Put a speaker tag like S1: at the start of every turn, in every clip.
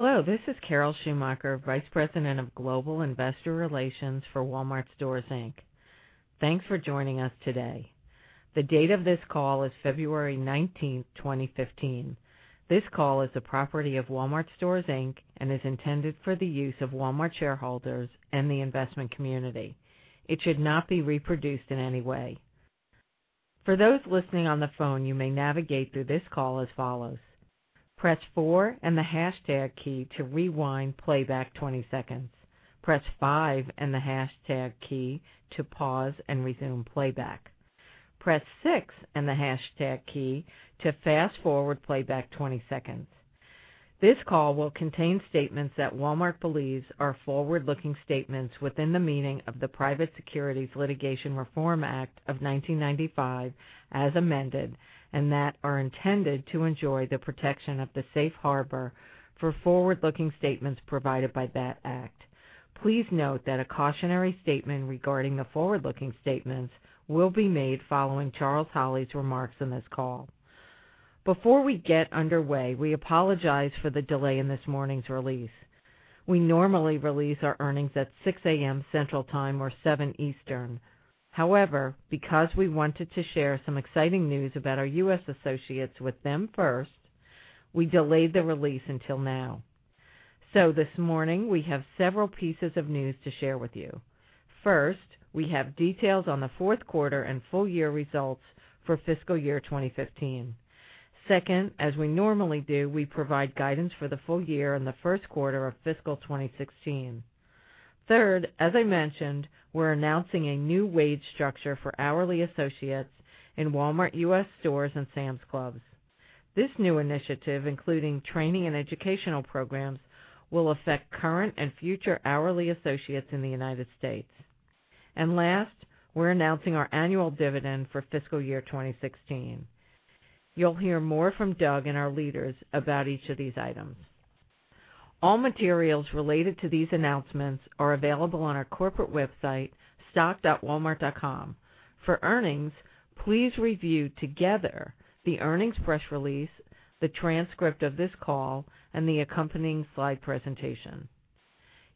S1: Hello, this is Carol Schumacher, Vice President of Global Investor Relations for Walmart Stores, Inc. Thanks for joining us today. The date of this call is February 19, 2015. This call is the property of Walmart Stores, Inc. and is intended for the use of Walmart shareholders and the investment community. It should not be reproduced in any way. For those listening on the phone, you may navigate through this call as follows: press four and the hashtag key to rewind playback 20 seconds. Press five and the hashtag key to pause and resume playback. Press six and the hashtag key to fast-forward playback 20 seconds. This call will contain statements that Walmart believes are forward-looking statements within the meaning of the Private Securities Litigation Reform Act of 1995, as amended, and that are intended to enjoy the protection of the safe harbor for forward-looking statements provided by that act. Please note that a cautionary statement regarding the forward-looking statements will be made following Charles Holley's remarks in this call. Before we get underway, we apologize for the delay in this morning's release. We normally release our earnings at 6:00 A.M. Central Time or 7:00 A.M. Eastern. However, because we wanted to share some exciting news about our U.S. associates with them first, we delayed the release until now. This morning, we have several pieces of news to share with you. First, we have details on the fourth quarter and full-year results for fiscal year 2015. Second, as we normally do, we provide guidance for the full year and the first quarter of fiscal 2016. Third, as I mentioned, we're announcing a new wage structure for hourly associates in Walmart U.S. stores and Sam's Clubs. This new initiative, including training and educational programs, will affect current and future hourly associates in the United States. Last, we're announcing our annual dividend for fiscal year 2016. You'll hear more from Doug and our leaders about each of these items. All materials related to these announcements are available on our corporate website, stock.walmart.com. For earnings, please review together the earnings press release, the transcript of this call, and the accompanying slide presentation.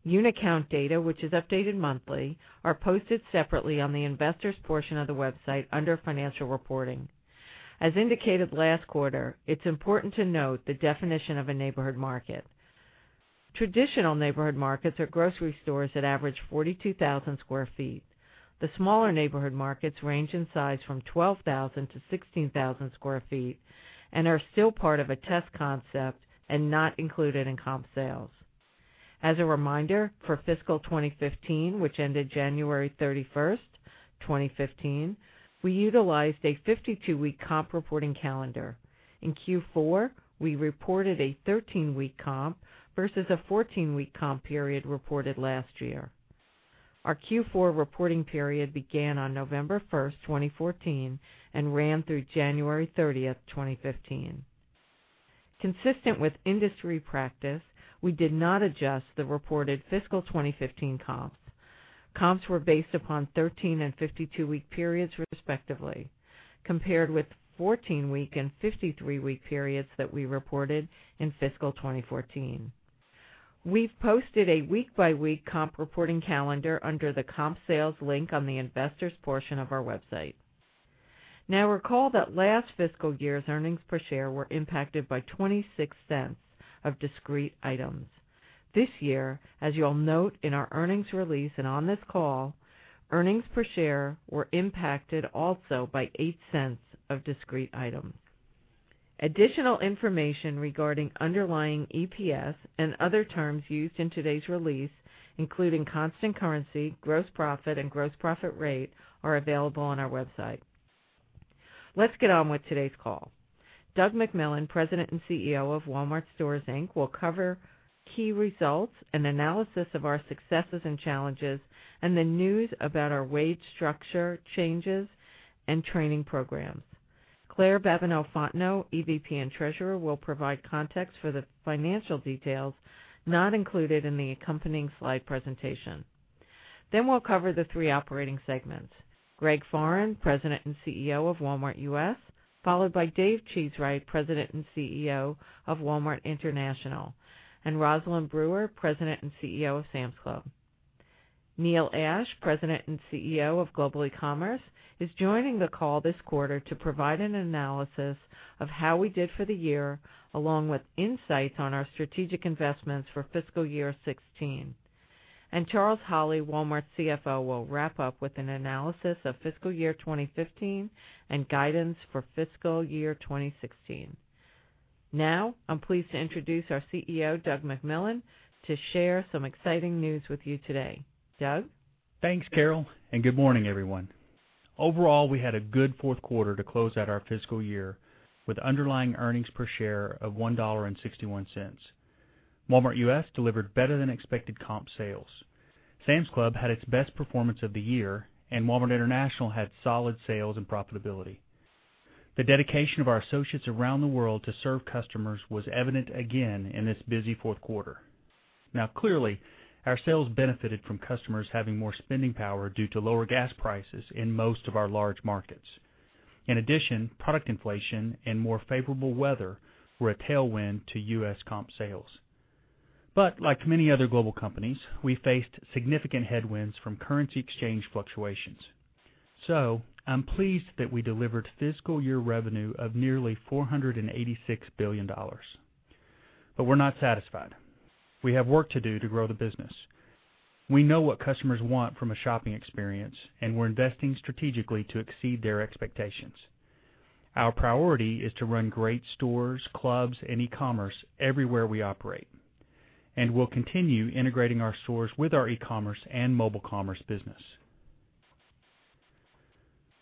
S1: Unit count data, which is updated monthly, are posted separately on the investors' portion of the website under financial reporting. As indicated last quarter, it's important to note the definition of a Neighborhood Market. Traditional Neighborhood Markets are grocery stores that average 42,000 sq ft. The smaller Neighborhood Markets range in size from 12,000 to 16,000 sq ft and are still part of a test concept and not included in comp sales. As a reminder, for fiscal 2015, which ended January 31st, 2015, we utilized a 52-week comp reporting calendar. In Q4, we reported a 13-week comp versus a 14-week comp period reported last year. Our Q4 reporting period began on November 1st, 2014, and ran through January 30th, 2015. Consistent with industry practice, we did not adjust the reported fiscal 2015 comps. Comps were based upon 13-week and 52-week periods, respectively, compared with 14-week and 53-week periods that we reported in fiscal 2014. We've posted a week-by-week comp reporting calendar under the comp sales link on the investors' portion of our website. Recall that last fiscal year's earnings per share were impacted by $0.26 of discrete items. This year, as you all note in our earnings release and on this call, earnings per share were impacted also by $0.08 of discrete items. Additional information regarding underlying EPS and other terms used in today's release, including constant currency, gross profit, and gross profit rate, are available on our website. Let's get on with today's call. Doug McMillon, President and CEO of Walmart Stores, Inc., will cover key results and analysis of our successes and challenges and the news about our wage structure changes and training programs. Claire Babineaux-Fontenot, EVP and Treasurer, will provide context for the financial details not included in the accompanying slide presentation. We'll cover the three operating segments. Greg Foran, President and CEO of Walmart U.S., followed by David Cheesewright, President and CEO of Walmart International, and Rosalind Brewer, President and CEO of Sam's Club. Neil Ashe, President and CEO of Global eCommerce, is joining the call this quarter to provide an analysis of how we did for the year, along with insights on our strategic investments for fiscal year 2016. Charles Holley, Walmart CFO, will wrap up with an analysis of fiscal year 2015 and guidance for fiscal year 2016. I'm pleased to introduce our CEO, Doug McMillon, to share some exciting news with you today. Doug?
S2: Thanks, Carol, good morning, everyone. Overall, we had a good fourth quarter to close out our fiscal year with underlying earnings per share of $1.61. Walmart U.S. delivered better-than-expected comp sales. Sam's Club had its best performance of the year, and Walmart International had solid sales and profitability. The dedication of our associates around the world to serve customers was evident again in this busy fourth quarter. Clearly, our sales benefited from customers having more spending power due to lower gas prices in most of our large markets. In addition, product inflation and more favorable weather were a tailwind to U.S. comp sales. Like many other global companies, we faced significant headwinds from currency exchange fluctuations. I'm pleased that we delivered fiscal year revenue of nearly $486 billion. We're not satisfied. We have work to do to grow the business. We know what customers want from a shopping experience, we're investing strategically to exceed their expectations. Our priority is to run great stores, clubs, and e-commerce everywhere we operate. We'll continue integrating our stores with our e-commerce and mobile commerce business.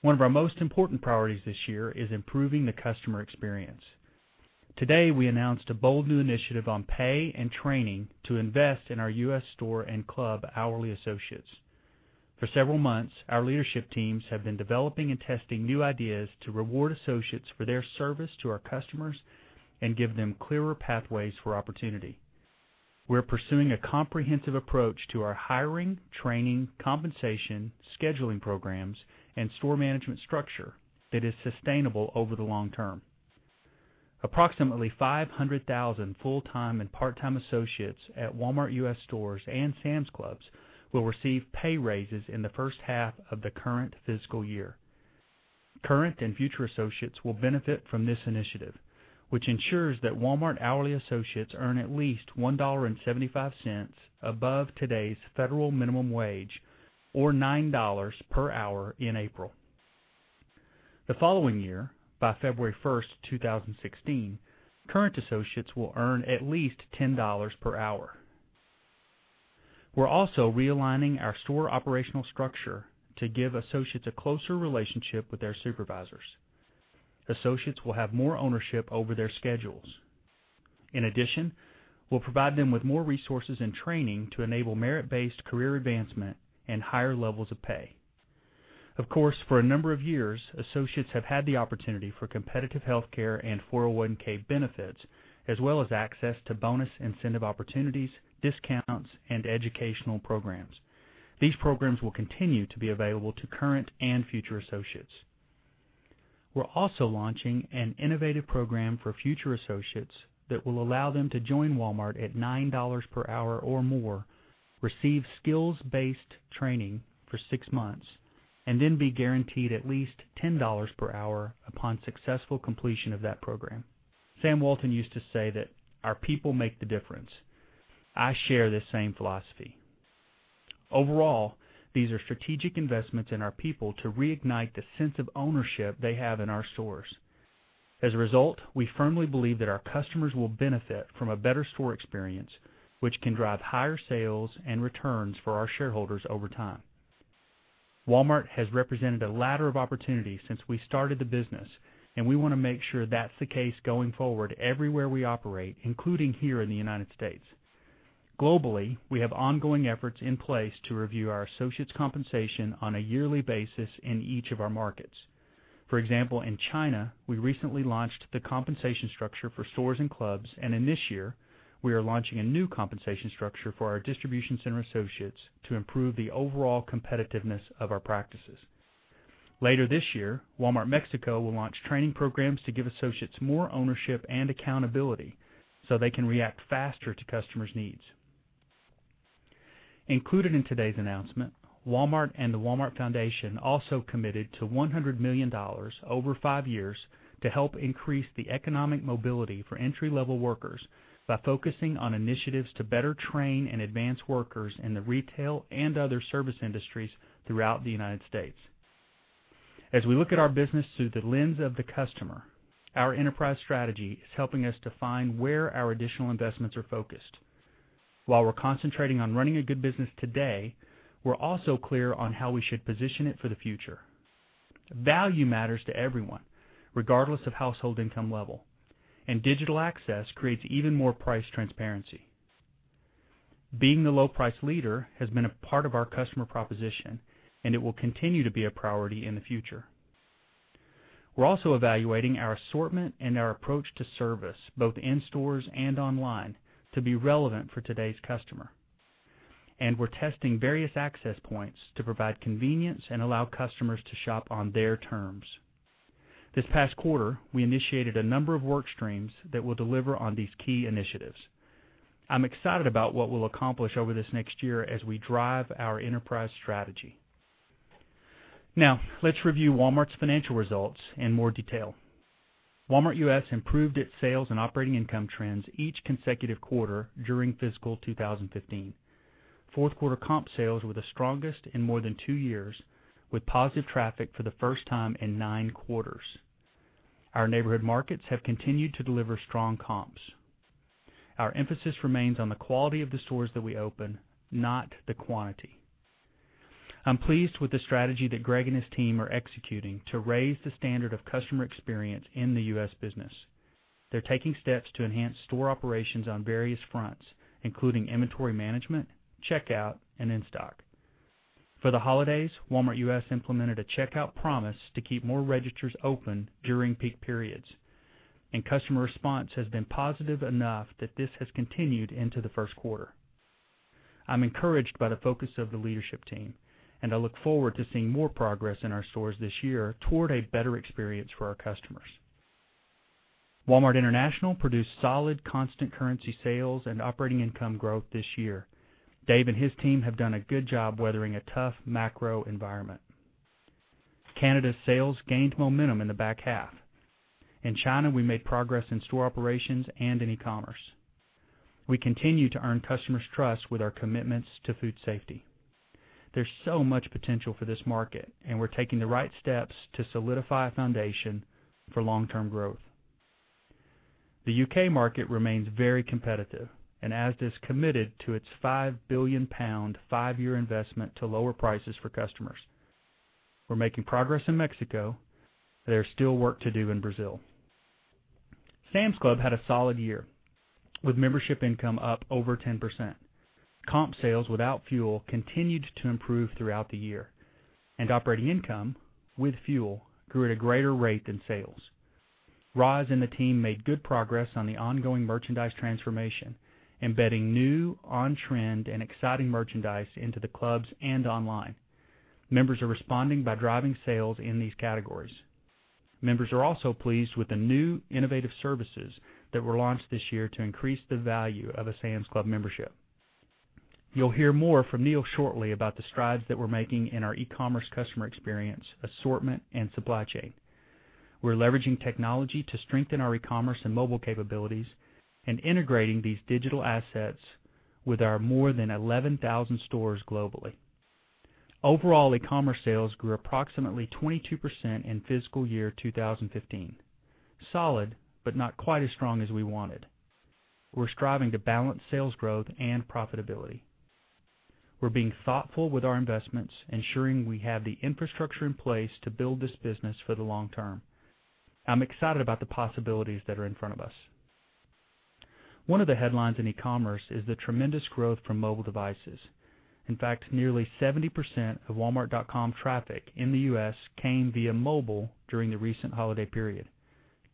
S2: One of our most important priorities this year is improving the customer experience. Today, we announced a bold new initiative on pay and training to invest in our U.S. store and club hourly associates. For several months, our leadership teams have been developing and testing new ideas to reward associates for their service to our customers and give them clearer pathways for opportunity. We're pursuing a comprehensive approach to our hiring, training, compensation, scheduling programs, and store management structure that is sustainable over the long term. Approximately 500,000 full-time and part-time associates at Walmart U.S. stores and Sam's Clubs will receive pay raises in the first half of the current fiscal year. Current and future associates will benefit from this initiative, which ensures that Walmart hourly associates earn at least $1.75 above today's federal minimum wage or $9 per hour in April. The following year, by February 1st, 2016, current associates will earn at least $10 per hour. We're also realigning our store operational structure to give associates a closer relationship with their supervisors. Associates will have more ownership over their schedules. In addition, we'll provide them with more resources and training to enable merit-based career advancement and higher levels of pay. Of course, for a number of years, associates have had the opportunity for competitive healthcare and 401 benefits, as well as access to bonus incentive opportunities, discounts, and educational programs. These programs will continue to be available to current and future associates. We're also launching an innovative program for future associates that will allow them to join Walmart at $9 per hour or more, receive skills-based training for six months, then be guaranteed at least $10 per hour upon successful completion of that program. Sam Walton used to say that our people make the difference. I share the same philosophy. Overall, these are strategic investments in our people to reignite the sense of ownership they have in our stores. As a result, we firmly believe that our customers will benefit from a better store experience, which can drive higher sales and returns for our shareholders over time. Walmart has represented a ladder of opportunities since we started the business, and we want to make sure that's the case going forward everywhere we operate, including here in the United States. Globally, we have ongoing efforts in place to review our associates' compensation on a yearly basis in each of our markets. For example, in China, we recently launched the compensation structure for stores and clubs. In this year, we are launching a new compensation structure for our distribution center associates to improve the overall competitiveness of our practices. Later this year, Walmart Mexico will launch training programs to give associates more ownership and accountability so they can react faster to customers' needs. Included in today's announcement, Walmart and the Walmart Foundation also committed to $100 million over five years to help increase the economic mobility for entry-level workers by focusing on initiatives to better train and advance workers in the retail and other service industries throughout the United States. As we look at our business through the lens of the customer, our enterprise strategy is helping us define where our additional investments are focused. While we're concentrating on running a good business today, we're also clear on how we should position it for the future. Value matters to everyone, regardless of household income level. Digital access creates even more price transparency. Being the low price leader has been a part of our customer proposition, and it will continue to be a priority in the future. We're also evaluating our assortment and our approach to service, both in stores and online, to be relevant for today's customer. We're testing various access points to provide convenience and allow customers to shop on their terms. This past quarter, we initiated a number of work streams that will deliver on these key initiatives. I'm excited about what we'll accomplish over this next year as we drive our enterprise strategy. Now, let's review Walmart's financial results in more detail. Walmart U.S. improved its sales and operating income trends each consecutive quarter during fiscal 2015. Fourth quarter comp sales were the strongest in more than 2 years, with positive traffic for the first time in 9 quarters. Our Neighborhood Markets have continued to deliver strong comps. Our emphasis remains on the quality of the stores that we open, not the quantity. I'm pleased with the strategy that Greg and his team are executing to raise the standard of customer experience in the U.S. business. They're taking steps to enhance store operations on various fronts, including inventory management, checkout, and in-stock. For the holidays, Walmart U.S. implemented a Checkout Promise to keep more registers open during peak periods. Customer response has been positive enough that this has continued into the first quarter. I'm encouraged by the focus of the leadership team. I look forward to seeing more progress in our stores this year toward a better experience for our customers. Walmart International produced solid constant currency sales and operating income growth this year. Dave and his team have done a good job weathering a tough macro environment. Canada's sales gained momentum in the back half. In China, we made progress in store operations and in e-commerce. We continue to earn customers' trust with our commitments to food safety. There's so much potential for this market. We're taking the right steps to solidify a foundation for long-term growth. The U.K. market remains very competitive. Asda is committed to its 5 billion pound five-year investment to lower prices for customers. We're making progress in Mexico. There's still work to do in Brazil. Sam's Club had a solid year, with membership income up over 10%. Comp sales without fuel continued to improve throughout the year. Operating income with fuel grew at a greater rate than sales. Roz and the team made good progress on the ongoing merchandise transformation, embedding new, on-trend, and exciting merchandise into the clubs and online. Members are responding by driving sales in these categories. Members are also pleased with the new innovative services that were launched this year to increase the value of a Sam's Club membership. You'll hear more from Neil shortly about the strides that we're making in our e-commerce customer experience, assortment, and supply chain. We're leveraging technology to strengthen our e-commerce and mobile capabilities and integrating these digital assets with our more than 11,000 stores globally. Overall, e-commerce sales grew approximately 22% in fiscal year 2015. Solid, but not quite as strong as we wanted. We're striving to balance sales growth and profitability. We're being thoughtful with our investments, ensuring we have the infrastructure in place to build this business for the long term. I'm excited about the possibilities that are in front of us. One of the headlines in e-commerce is the tremendous growth from mobile devices. In fact, nearly 70% of walmart.com traffic in the U.S. came via mobile during the recent holiday period.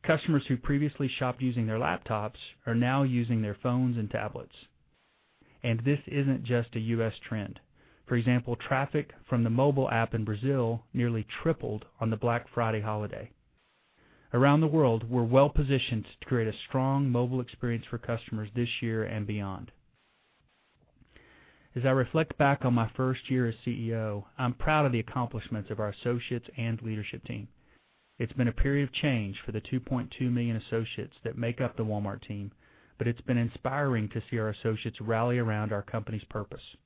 S2: Customers who previously shopped using their laptops are now using their phones and tablets. This isn't just a U.S. trend. For example, traffic from the mobile app in Brazil nearly tripled on the Black Friday holiday. Around the world, we're well-positioned to create a strong mobile experience for customers this year and beyond. As I reflect back on my first year as CEO, I'm proud of the accomplishments of our associates and leadership team. It's been a period of change for the 2.2 million associates that make up the Walmart team. It's been inspiring to see our associates rally around our company's purpose.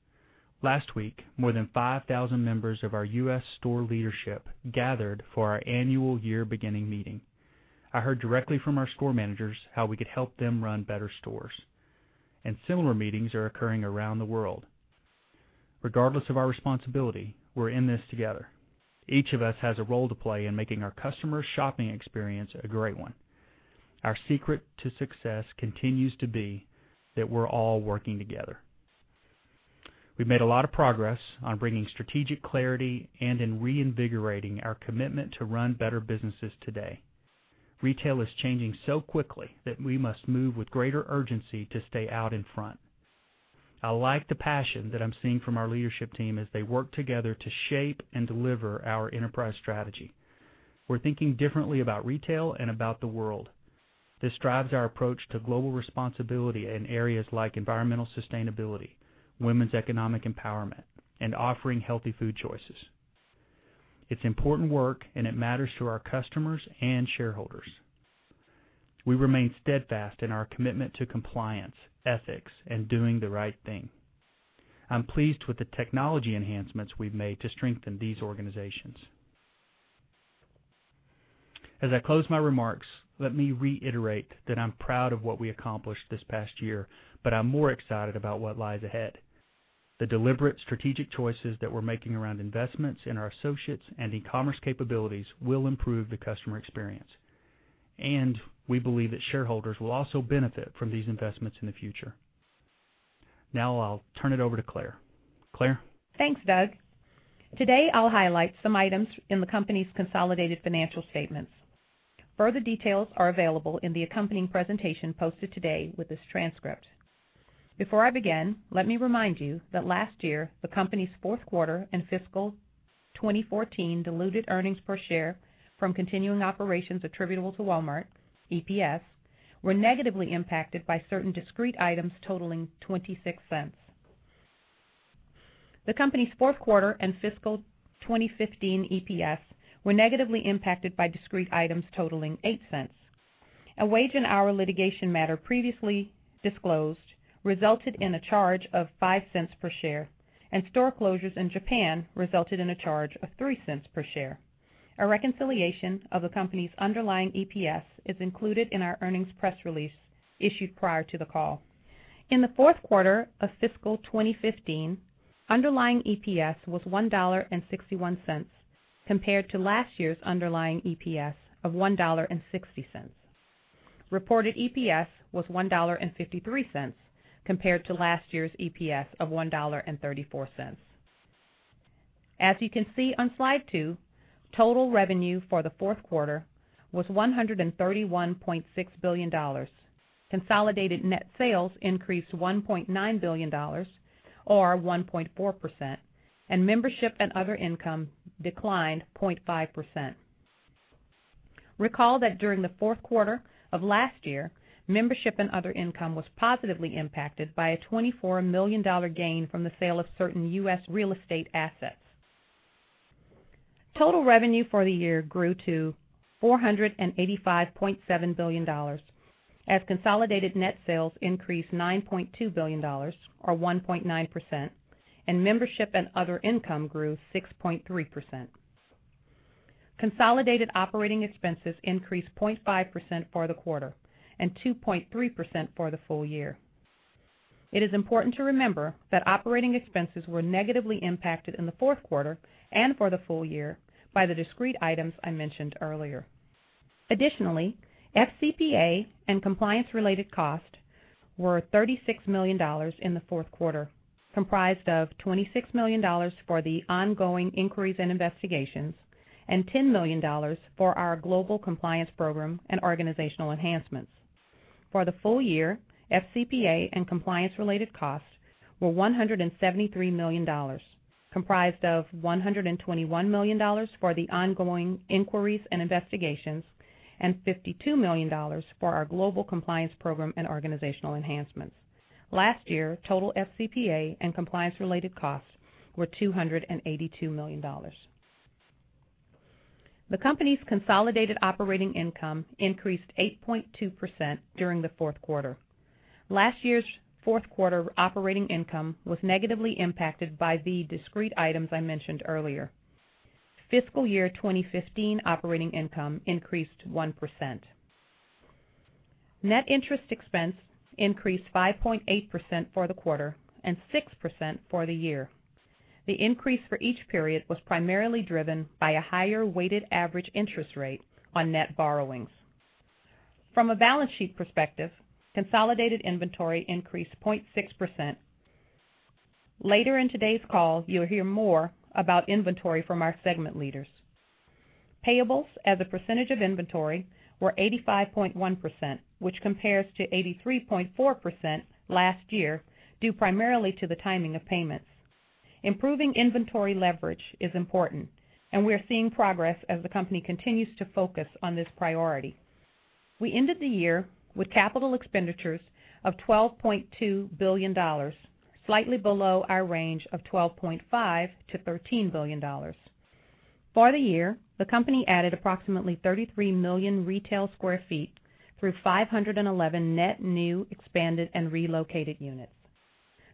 S2: Last week, more than 5,000 members of our U.S. store leadership gathered for our annual year beginning meeting. I heard directly from our store managers how we could help them run better stores. Similar meetings are occurring around the world. Regardless of our responsibility, we're in this together. Each of us has a role to play in making our customers' shopping experience a great one. Our secret to success continues to be that we're all working together. We've made a lot of progress on bringing strategic clarity and in reinvigorating our commitment to run better businesses today. Retail is changing so quickly that we must move with greater urgency to stay out in front. I like the passion that I'm seeing from our leadership team as they work together to shape and deliver our enterprise strategy. We're thinking differently about retail and about the world. This drives our approach to global responsibility in areas like environmental sustainability, women's economic empowerment, and offering healthy food choices. It's important work. It matters to our customers and shareholders. We remain steadfast in our commitment to compliance, ethics, and doing the right thing. I'm pleased with the technology enhancements we've made to strengthen these organizations. As I close my remarks, let me reiterate that I'm proud of what we accomplished this past year. I'm more excited about what lies ahead. The deliberate strategic choices that we're making around investments in our associates and e-commerce capabilities will improve the customer experience. We believe that shareholders will also benefit from these investments in the future. I'll turn it over to Claire. Claire?
S3: Thanks, Doug. Today, I'll highlight some items in the company's consolidated financial statements. Further details are available in the accompanying presentation posted today with this transcript. Before I begin, let me remind you that last year, the company's fourth quarter and fiscal 2014 diluted earnings per share from continuing operations attributable to Walmart, EPS, were negatively impacted by certain discrete items totaling $0.26. The company's fourth quarter and fiscal 2015 EPS were negatively impacted by discrete items totaling $0.08. A wage and hour litigation matter previously disclosed resulted in a charge of $0.05 per share. Store closures in Japan resulted in a charge of $0.03 per share. A reconciliation of the company's underlying EPS is included in our earnings press release issued prior to the call. In the fourth quarter of fiscal 2015, underlying EPS was $1.61 compared to last year's underlying EPS of $1.60. Reported EPS was $1.53 compared to last year's EPS of $1.34. As you can see on Slide 2, total revenue for the fourth quarter was $131.6 billion. Consolidated net sales increased $1.9 billion, or 1.4%, and membership and other income declined 0.5%. Recall that during the fourth quarter of last year, membership and other income was positively impacted by a $24 million gain from the sale of certain U.S. real estate assets. Total revenue for the year grew to $485.7 billion, as consolidated net sales increased $9.2 billion, or 1.9%, and membership and other income grew 6.3%. Consolidated operating expenses increased 0.5% for the quarter and 2.3% for the full year. It is important to remember that operating expenses were negatively impacted in the fourth quarter and for the full year by the discrete items I mentioned earlier. Additionally, FCPA and compliance-related costs were $36 million in the fourth quarter, comprised of $26 million for the ongoing inquiries and investigations and $10 million for our global compliance program and organizational enhancements. For the full year, FCPA and compliance-related costs were $173 million, comprised of $121 million for the ongoing inquiries and investigations and $52 million for our global compliance program and organizational enhancements. Last year, total FCPA and compliance-related costs were $282 million. The company's consolidated operating income increased 8.2% during the fourth quarter. Last year's fourth quarter operating income was negatively impacted by the discrete items I mentioned earlier. Fiscal year 2015 operating income increased 1%. Net interest expense increased 5.8% for the quarter and 6% for the year. The increase for each period was primarily driven by a higher weighted average interest rate on net borrowings. From a balance sheet perspective, consolidated inventory increased 0.6%. Later in today's call, you'll hear more about inventory from our segment leaders. Payables as a percentage of inventory were 85.1%, which compares to 83.4% last year, due primarily to the timing of payments. Improving inventory leverage is important, and we're seeing progress as the company continues to focus on this priority. We ended the year with capital expenditures of $12.2 billion, slightly below our range of $12.5 billion-$13 billion. For the year, the company added approximately 33 million retail sq ft through 511 net new, expanded, and relocated units.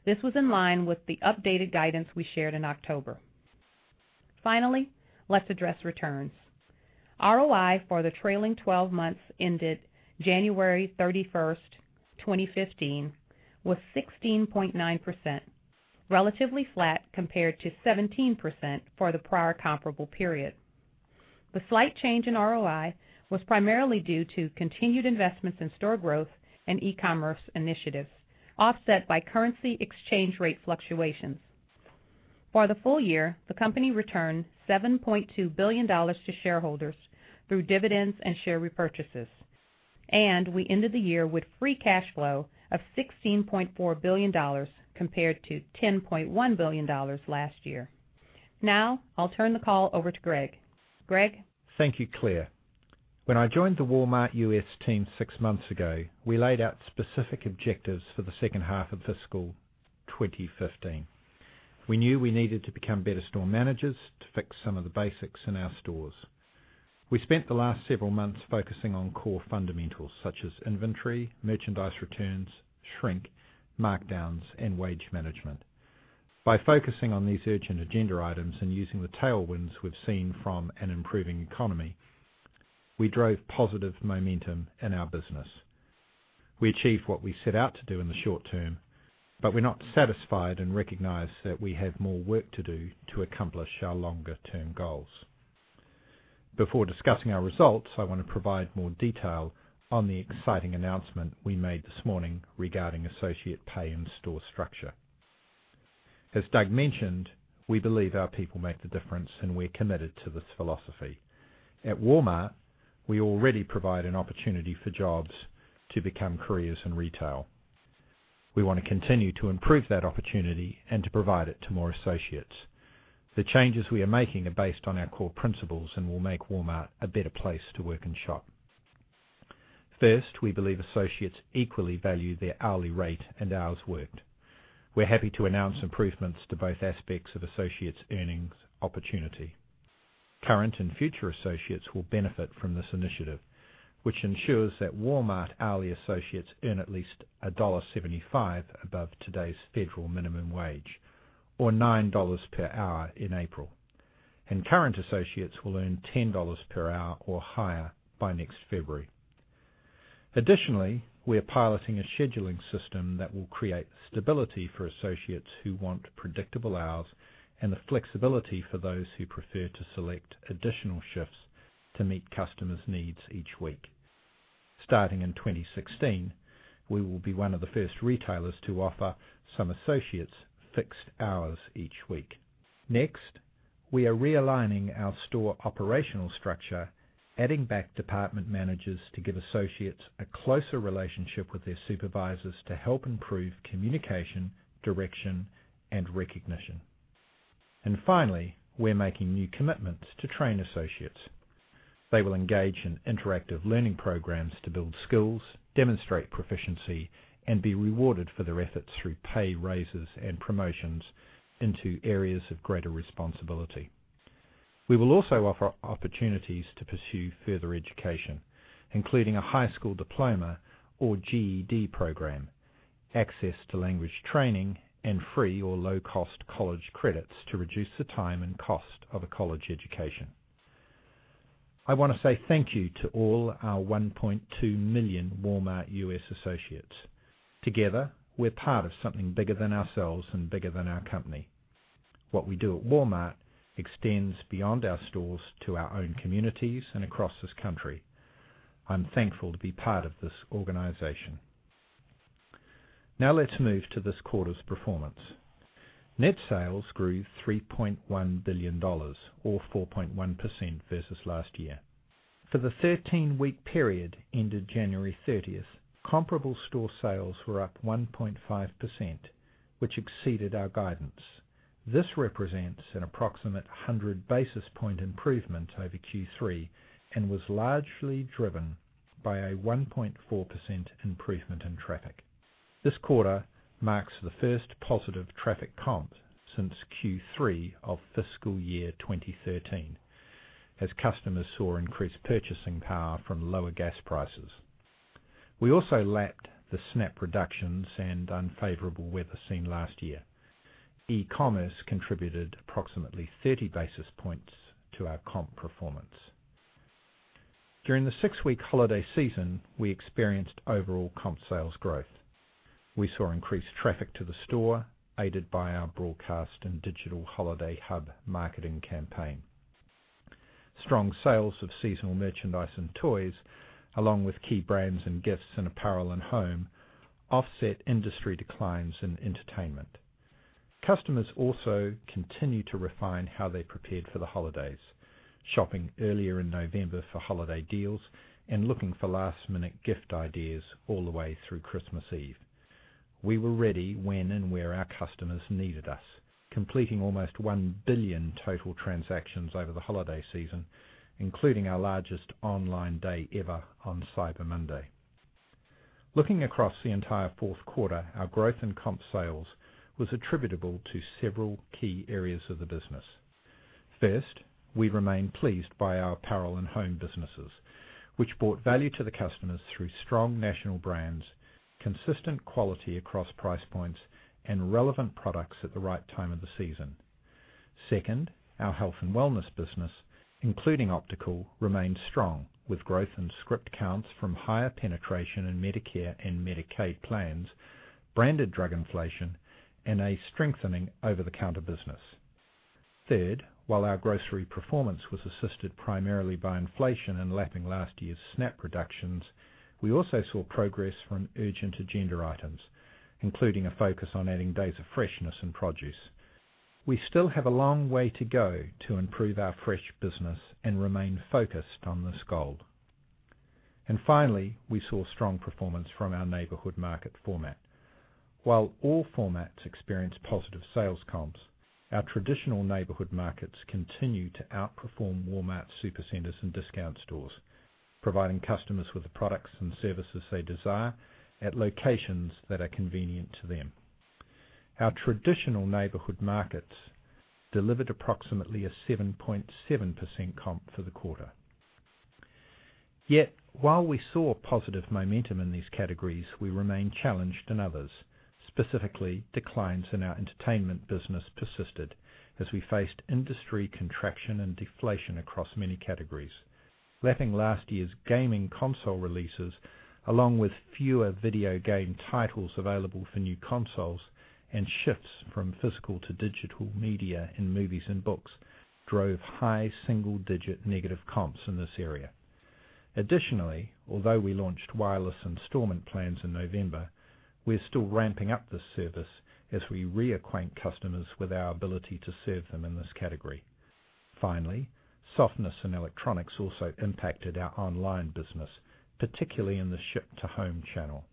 S3: This was in line with the updated guidance we shared in October. Finally, let's address returns. ROI for the trailing 12 months ended January 31st, 2015, was 16.9%, relatively flat compared to 17% for the prior comparable period. The slight change in ROI was primarily due to continued investments in store growth and e-commerce initiatives, offset by currency exchange rate fluctuations. For the full year, the company returned $7.2 billion to shareholders through dividends and share repurchases, and we ended the year with free cash flow of $16.4 billion, compared to $10.1 billion last year. Now, I'll turn the call over to Greg. Greg?
S4: Thank you, Claire. When I joined the Walmart U.S. team six months ago, we laid out specific objectives for the second half of fiscal 2015. We knew we needed to become better store managers to fix some of the basics in our stores. We spent the last several months focusing on core fundamentals such as inventory, merchandise returns, shrink, markdowns, and wage management. By focusing on these urgent agenda items and using the tailwinds we've seen from an improving economy, we drove positive momentum in our business. We achieved what we set out to do in the short term, but we're not satisfied and recognize that we have more work to do to accomplish our longer-term goals. Before discussing our results, I want to provide more detail on the exciting announcement we made this morning regarding associate pay and store structure. As Doug mentioned, we believe our people make the difference, and we're committed to this philosophy. At Walmart, we already provide an opportunity for jobs to become careers in retail. We want to continue to improve that opportunity and to provide it to more associates. The changes we are making are based on our core principles and will make Walmart a better place to work and shop. We believe associates equally value their hourly rate and hours worked. We're happy to announce improvements to both aspects of associates' earnings opportunity. Current and future associates will benefit from this initiative, which ensures that Walmart hourly associates earn at least $1.75 above today's federal minimum wage, or $9 per hour in April. Current associates will earn $10 per hour or higher by next February. We are piloting a scheduling system that will create stability for associates who want predictable hours and the flexibility for those who prefer to select additional shifts to meet customers' needs each week. Starting in 2016, we will be one of the first retailers to offer some associates fixed hours each week. We are realigning our store operational structure, adding back department managers to give associates a closer relationship with their supervisors to help improve communication, direction, and recognition. Finally, we're making new commitments to train associates. They will engage in interactive learning programs to build skills, demonstrate proficiency, and be rewarded for their efforts through pay raises and promotions into areas of greater responsibility. We will also offer opportunities to pursue further education, including a high school diploma or GED program, access to language training, and free or low-cost college credits to reduce the time and cost of a college education. I want to say thank you to all our $1.2 million Walmart U.S. associates. Together, we're part of something bigger than ourselves and bigger than our company. What we do at Walmart extends beyond our stores, to our own communities, and across this country. I'm thankful to be part of this organization. Let's move to this quarter's performance. Net sales grew $3.1 billion, or 4.1% versus last year. For the 13-week period ended January 30th, comparable store sales were up 1.5%, which exceeded our guidance. This represents an approximate 100-basis-point improvement over Q3 and was largely driven by a 1.4% improvement in traffic. This quarter marks the first positive traffic comp since Q3 of fiscal year 2013, as customers saw increased purchasing power from lower gas prices. We also lapped the SNAP reductions and unfavorable weather seen last year. e-commerce contributed approximately 30 basis points to our comp performance. During the six-week holiday season, we experienced overall comp sales growth. We saw increased traffic to the store, aided by our broadcast and digital holiday hub marketing campaign. Strong sales of seasonal merchandise and toys, along with key brands and gifts in apparel and home, offset industry declines in entertainment. Customers also continue to refine how they prepared for the holidays, shopping earlier in November for holiday deals and looking for last-minute gift ideas all the way through Christmas Eve. We were ready when and where our customers needed us, completing almost 1 billion total transactions over the holiday season, including our largest online day ever on Cyber Monday. Looking across the entire fourth quarter, our growth in comp sales was attributable to several key areas of the business. We remain pleased by our apparel and home businesses, which brought value to the customers through strong national brands, consistent quality across price points, and relevant products at the right time of the season. Our health and wellness business, including optical, remained strong, with growth in script counts from higher penetration in Medicare and Medicaid plans, branded drug inflation, and a strengthening over-the-counter business. While our grocery performance was assisted primarily by inflation and lapping last year's SNAP reductions, we also saw progress from urgent agenda items, including a focus on adding days of freshness and produce. We still have a long way to go to improve our fresh business and remain focused on this goal. Finally, we saw strong performance from our Neighborhood Market format. While all formats experienced positive sales comps, our traditional Neighborhood Markets continue to outperform Walmart Supercenters and discount stores, providing customers with the products and services they desire at locations that are convenient to them. Our traditional Neighborhood Markets delivered approximately a 7.7% comp for the quarter. While we saw positive momentum in these categories, we remain challenged in others. Declines in our entertainment business persisted as we faced industry contraction and deflation across many categories. Lapping last year's gaming console releases, along with fewer video game titles available for new consoles and shifts from physical to digital media in movies and books, drove high single-digit negative comps in this area. Although we launched wireless installment plans in November, we're still ramping up this service as we reacquaint customers with our ability to serve them in this category. Softness in electronics also impacted our online business, particularly in the ship-to-home channel.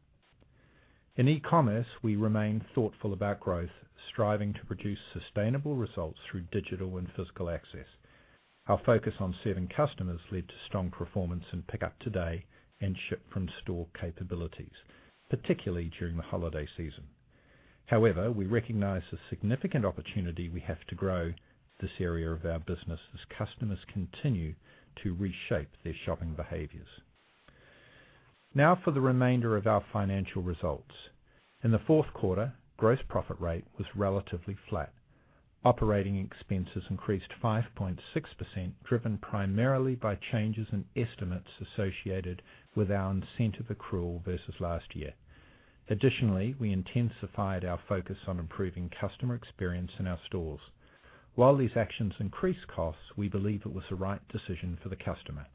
S4: In e-commerce, we remain thoughtful about growth, striving to produce sustainable results through digital and physical access. Our focus on serving customers led to strong performance in Pickup Today and ship-from-store capabilities, particularly during the holiday season. We recognize the significant opportunity we have to grow this area of our business as customers continue to reshape their shopping behaviors. For the remainder of our financial results. In the fourth quarter, gross profit rate was relatively flat. Operating expenses increased 5.6%, driven primarily by changes in estimates associated with our incentive accrual versus last year. We intensified our focus on improving customer experience in our stores. While these actions increased costs, we believe it was the right decision for the customer.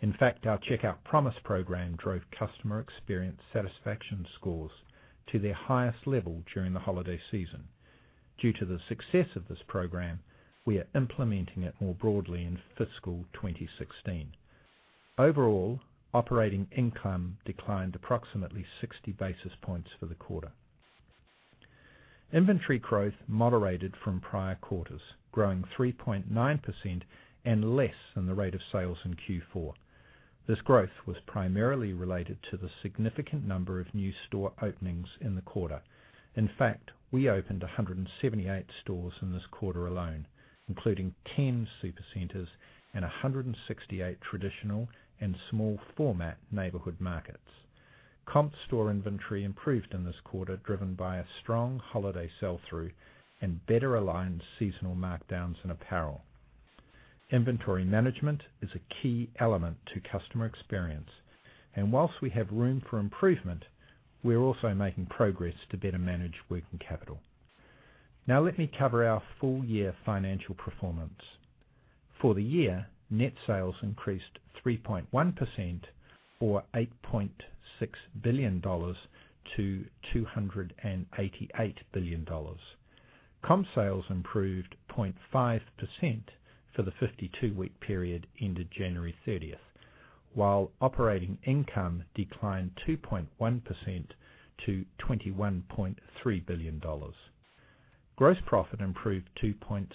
S4: In fact, our Checkout Promise program drove customer experience satisfaction scores to their highest level during the holiday season. Due to the success of this program, we are implementing it more broadly in fiscal 2016. Overall, operating income declined approximately 60 basis points for the quarter. Inventory growth moderated from prior quarters, growing 3.9% and less than the rate of sales in Q4. This growth was primarily related to the significant number of new store openings in the quarter. In fact, we opened 178 stores in this quarter alone, including 10 Supercenters and 168 traditional and small-format Neighborhood Markets. Comp store inventory improved in this quarter, driven by a strong holiday sell-through and better-aligned seasonal markdowns in apparel. Inventory management is a key element to customer experience, whilst we have room for improvement, we're also making progress to better manage working capital. Now let me cover our full-year financial performance. For the year, net sales increased 3.1%, or $8.6 billion to $288 billion. Comp sales improved 0.5% for the 52-week period ended January 30th, while operating income declined 2.1% to $21.3 billion. Gross profit improved 2.6%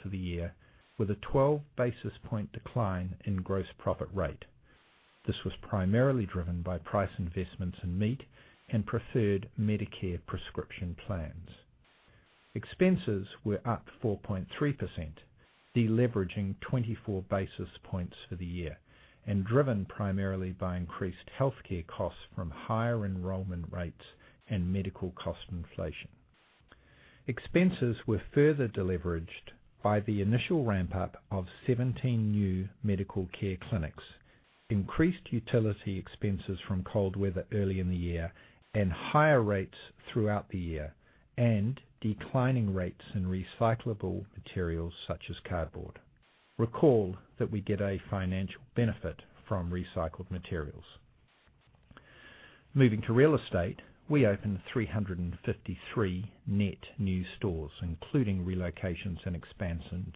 S4: for the year, with a 12 basis point decline in gross profit rate. This was primarily driven by price investments in meat and preferred Medicare prescription plans. Expenses were up 4.3%, deleveraging 24 basis points for the year, driven primarily by increased healthcare costs from higher enrollment rates and medical cost inflation. Expenses were further deleveraged by the initial ramp-up of 17 new medical care clinics, increased utility expenses from cold weather early in the year higher rates throughout the year, declining rates in recyclable materials such as cardboard. Recall that we get a financial benefit from recycled materials. Moving to real estate, we opened 353 net new stores, including relocations and expansions,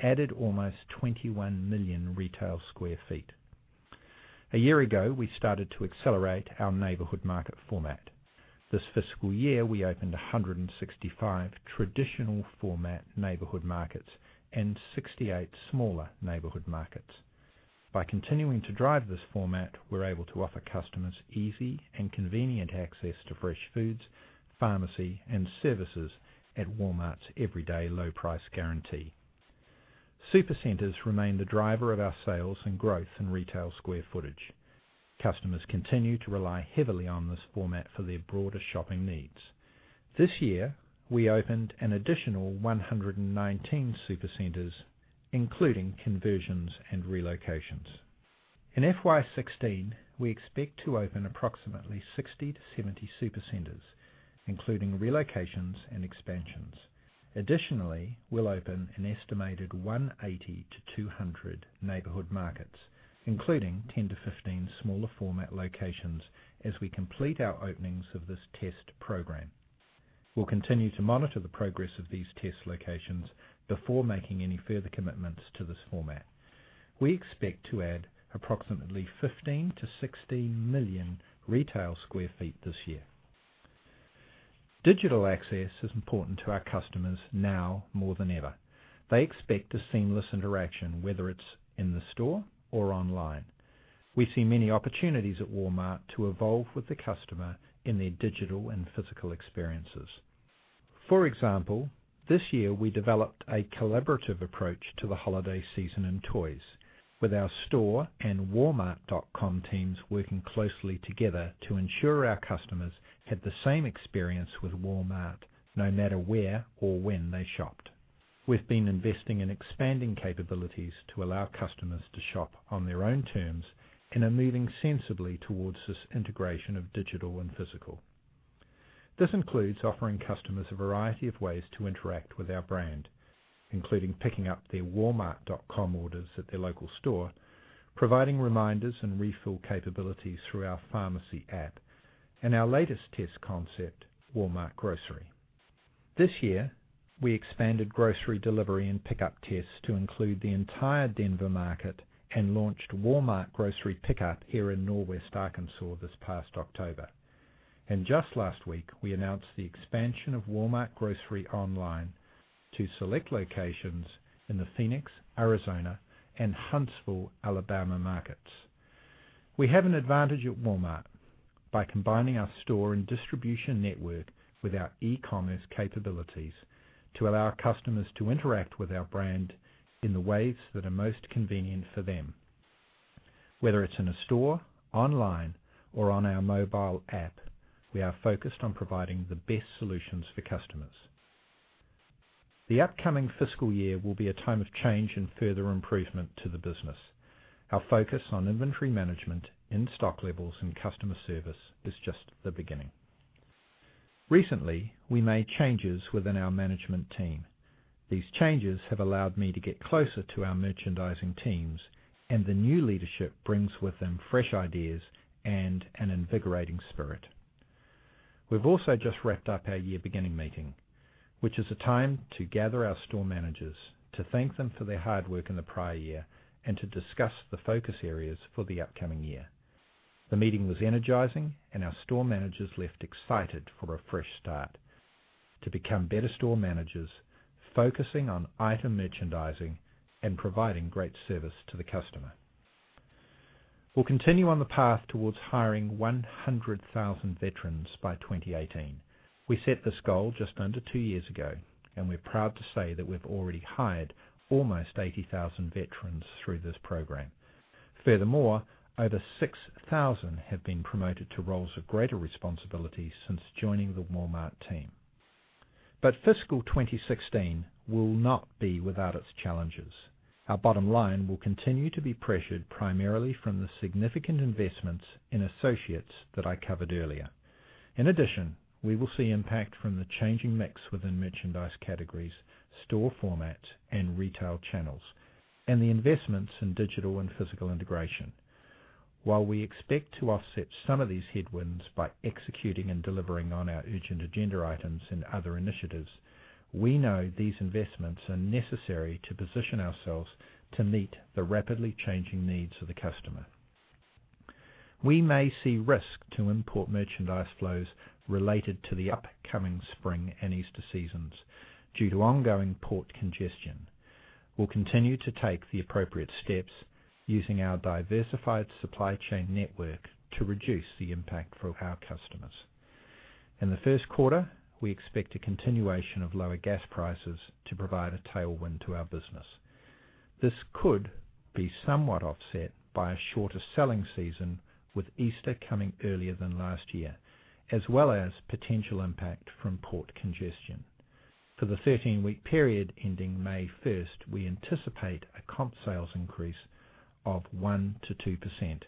S4: added almost 21 million retail square feet. A year ago, we started to accelerate our Neighborhood Market format. This fiscal year, we opened 165 traditional format Neighborhood Markets and 68 smaller Neighborhood Markets. By continuing to drive this format, we're able to offer customers easy and convenient access to fresh foods, pharmacy, and services at Walmart's everyday low price guarantee. Supercenters remain the driver of our sales and growth in retail square footage. Customers continue to rely heavily on this format for their broader shopping needs. This year, we opened an additional 119 Supercenters, including conversions and relocations. In FY 2016, we expect to open approximately 60 to 70 Supercenters, including relocations and expansions. Additionally, we'll open an estimated 180 to 200 Neighborhood Markets, including 10 to 15 smaller format locations as we complete our openings of this test program. We'll continue to monitor the progress of these test locations before making any further commitments to this format. We expect to add approximately 15 to 16 million retail square feet this year. Digital access is important to our customers now more than ever. They expect a seamless interaction, whether it's in the store or online. We see many opportunities at Walmart to evolve with the customer in their digital and physical experiences. For example, this year, we developed a collaborative approach to the holiday season and toys with our store and walmart.com teams working closely together to ensure our customers had the same experience with Walmart no matter where or when they shopped. We've been investing in expanding capabilities to allow customers to shop on their own terms and are moving sensibly towards this integration of digital and physical. This includes offering customers a variety of ways to interact with our brand, including picking up their walmart.com orders at their local store, providing reminders and refill capabilities through our pharmacy app, and our latest test concept, Walmart Grocery. This year, we expanded grocery delivery and pickup tests to include the entire Denver market and launched Walmart Grocery Pickup here in northwest Arkansas this past October. Just last week, we announced the expansion of Walmart Grocery online to select locations in the Phoenix, Arizona, and Huntsville, Alabama, markets. We have an advantage at Walmart by combining our store and distribution network with our e-commerce capabilities to allow customers to interact with our brand in the ways that are most convenient for them. Whether it's in a store, online, or on our mobile app, we are focused on providing the best solutions for customers. The upcoming fiscal year will be a time of change and further improvement to the business. Our focus on inventory management, in-stock levels, and customer service is just the beginning. Recently, we made changes within our management team. These changes have allowed me to get closer to our merchandising teams, and the new leadership brings with them fresh ideas and an invigorating spirit. We've also just wrapped up our year beginning meeting, which is a time to gather our store managers to thank them for their hard work in the prior year and to discuss the focus areas for the upcoming year. The meeting was energizing, and our store managers left excited for a fresh start to become better store managers, focusing on item merchandising and providing great service to the customer. We'll continue on the path towards hiring 100,000 veterans by 2018. We set this goal just under two years ago, and we're proud to say that we've already hired almost 80,000 veterans through this program. Furthermore, over 6,000 have been promoted to roles of greater responsibility since joining the Walmart team. Fiscal 2016 will not be without its challenges. Our bottom line will continue to be pressured primarily from the significant investments in associates that I covered earlier. In addition, we will see impact from the changing mix within merchandise categories, store format, and retail channels, and the investments in digital and physical integration. While we expect to offset some of these headwinds by executing and delivering on our urgent agenda items and other initiatives, we know these investments are necessary to position ourselves to meet the rapidly changing needs of the customer. We may see risk to import merchandise flows related to the upcoming spring and Easter seasons due to ongoing port congestion. We'll continue to take the appropriate steps using our diversified supply chain network to reduce the impact for our customers. In the first quarter, we expect a continuation of lower gas prices to provide a tailwind to our business. This could be somewhat offset by a shorter selling season, with Easter coming earlier than last year, as well as potential impact from port congestion. For the 13-week period ending May 1st, we anticipate a comp sales increase of 1%-2%.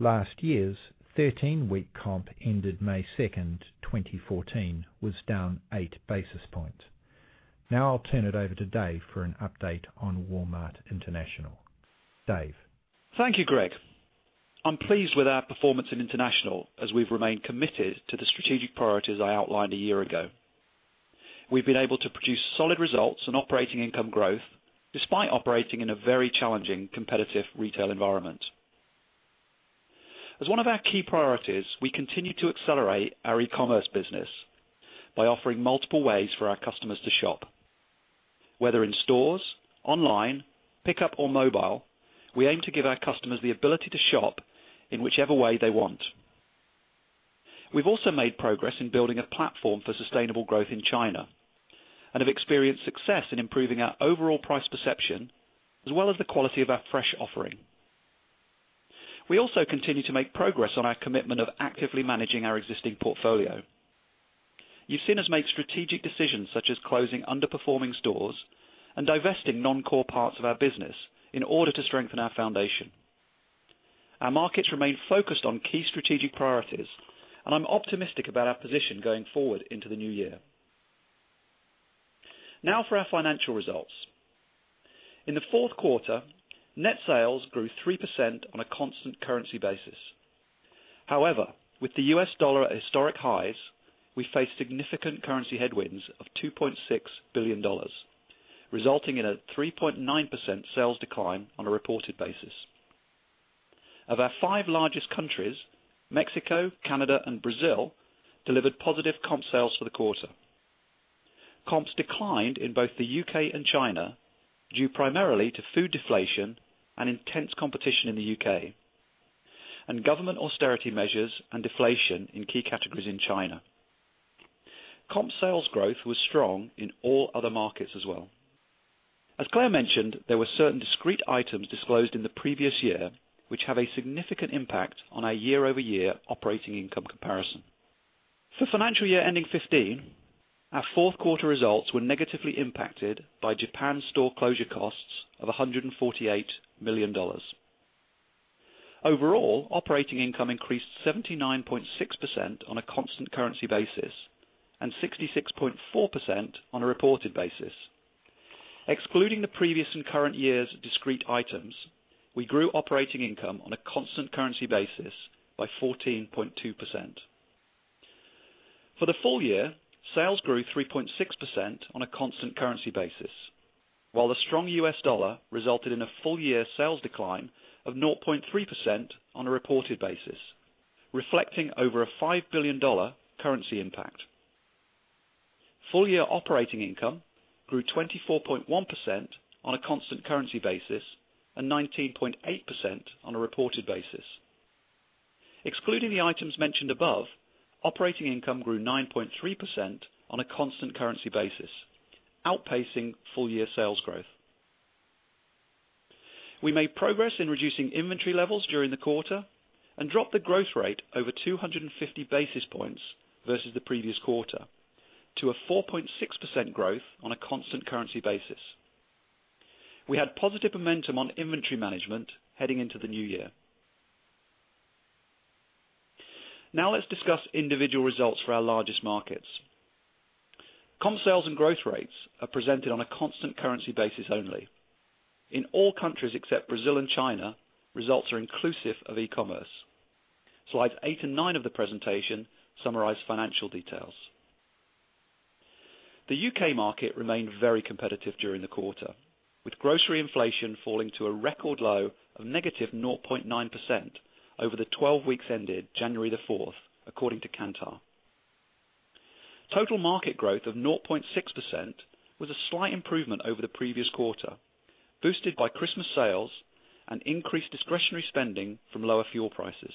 S4: Last year's 13-week comp ended May 2nd, 2014, was down eight basis points. Now I'll turn it over to Dave for an update on Walmart International. Dave.
S5: Thank you, Greg. I'm pleased with our performance in International as we've remained committed to the strategic priorities I outlined a year ago. We've been able to produce solid results and operating income growth despite operating in a very challenging competitive retail environment. As one of our key priorities, we continue to accelerate our e-commerce business by offering multiple ways for our customers to shop. Whether in stores, online, pickup, or mobile, we aim to give our customers the ability to shop in whichever way they want. We've also made progress in building a platform for sustainable growth in China and have experienced success in improving our overall price perception, as well as the quality of our fresh offering. We also continue to make progress on our commitment of actively managing our existing portfolio. You've seen us make strategic decisions such as closing underperforming stores and divesting non-core parts of our business in order to strengthen our foundation. Our markets remain focused on key strategic priorities. I'm optimistic about our position going forward into the new year. Now for our financial results. In the fourth quarter, net sales grew 3% on a constant currency basis. However, with the U.S. dollar at historic highs, we face significant currency headwinds of $2.6 billion, resulting in a 3.9% sales decline on a reported basis. Of our five largest countries, Mexico, Canada, and Brazil delivered positive comp sales for the quarter. Comps declined in both the U.K. and China due primarily to food deflation and intense competition in the U.K., and government austerity measures and deflation in key categories in China. Comp sales growth was strong in all other markets as well. As Claire mentioned, there were certain discrete items disclosed in the previous year which have a significant impact on our year-over-year operating income comparison. For financial year ending 2015, our fourth quarter results were negatively impacted by Japan store closure costs of $148 million. Overall, operating income increased 79.6% on a constant currency basis and 66.4% on a reported basis. Excluding the previous and current year's discrete items, we grew operating income on a constant currency basis by 14.2%. For the full year, sales grew 3.6% on a constant currency basis, while the strong U.S. dollar resulted in a full-year sales decline of 0.3% on a reported basis, reflecting over a $5 billion currency impact. Full-year operating income grew 24.1% on a constant currency basis and 19.8% on a reported basis. Excluding the items mentioned above, operating income grew 9.3% on a constant currency basis, outpacing full-year sales growth. We made progress in reducing inventory levels during the quarter and dropped the growth rate over 250 basis points versus the previous quarter to a 4.6% growth on a constant currency basis. We had positive momentum on inventory management heading into the new year. Now let's discuss individual results for our largest markets. Comp sales and growth rates are presented on a constant currency basis only. In all countries except Brazil and China, results are inclusive of e-commerce. Slides eight and nine of the presentation summarize financial details. The U.K. market remained very competitive during the quarter, with grocery inflation falling to a record low of negative 0.9% over the 12 weeks ended January the 4th, according to Kantar. Total market growth of 0.6% was a slight improvement over the previous quarter, boosted by Christmas sales and increased discretionary spending from lower fuel prices.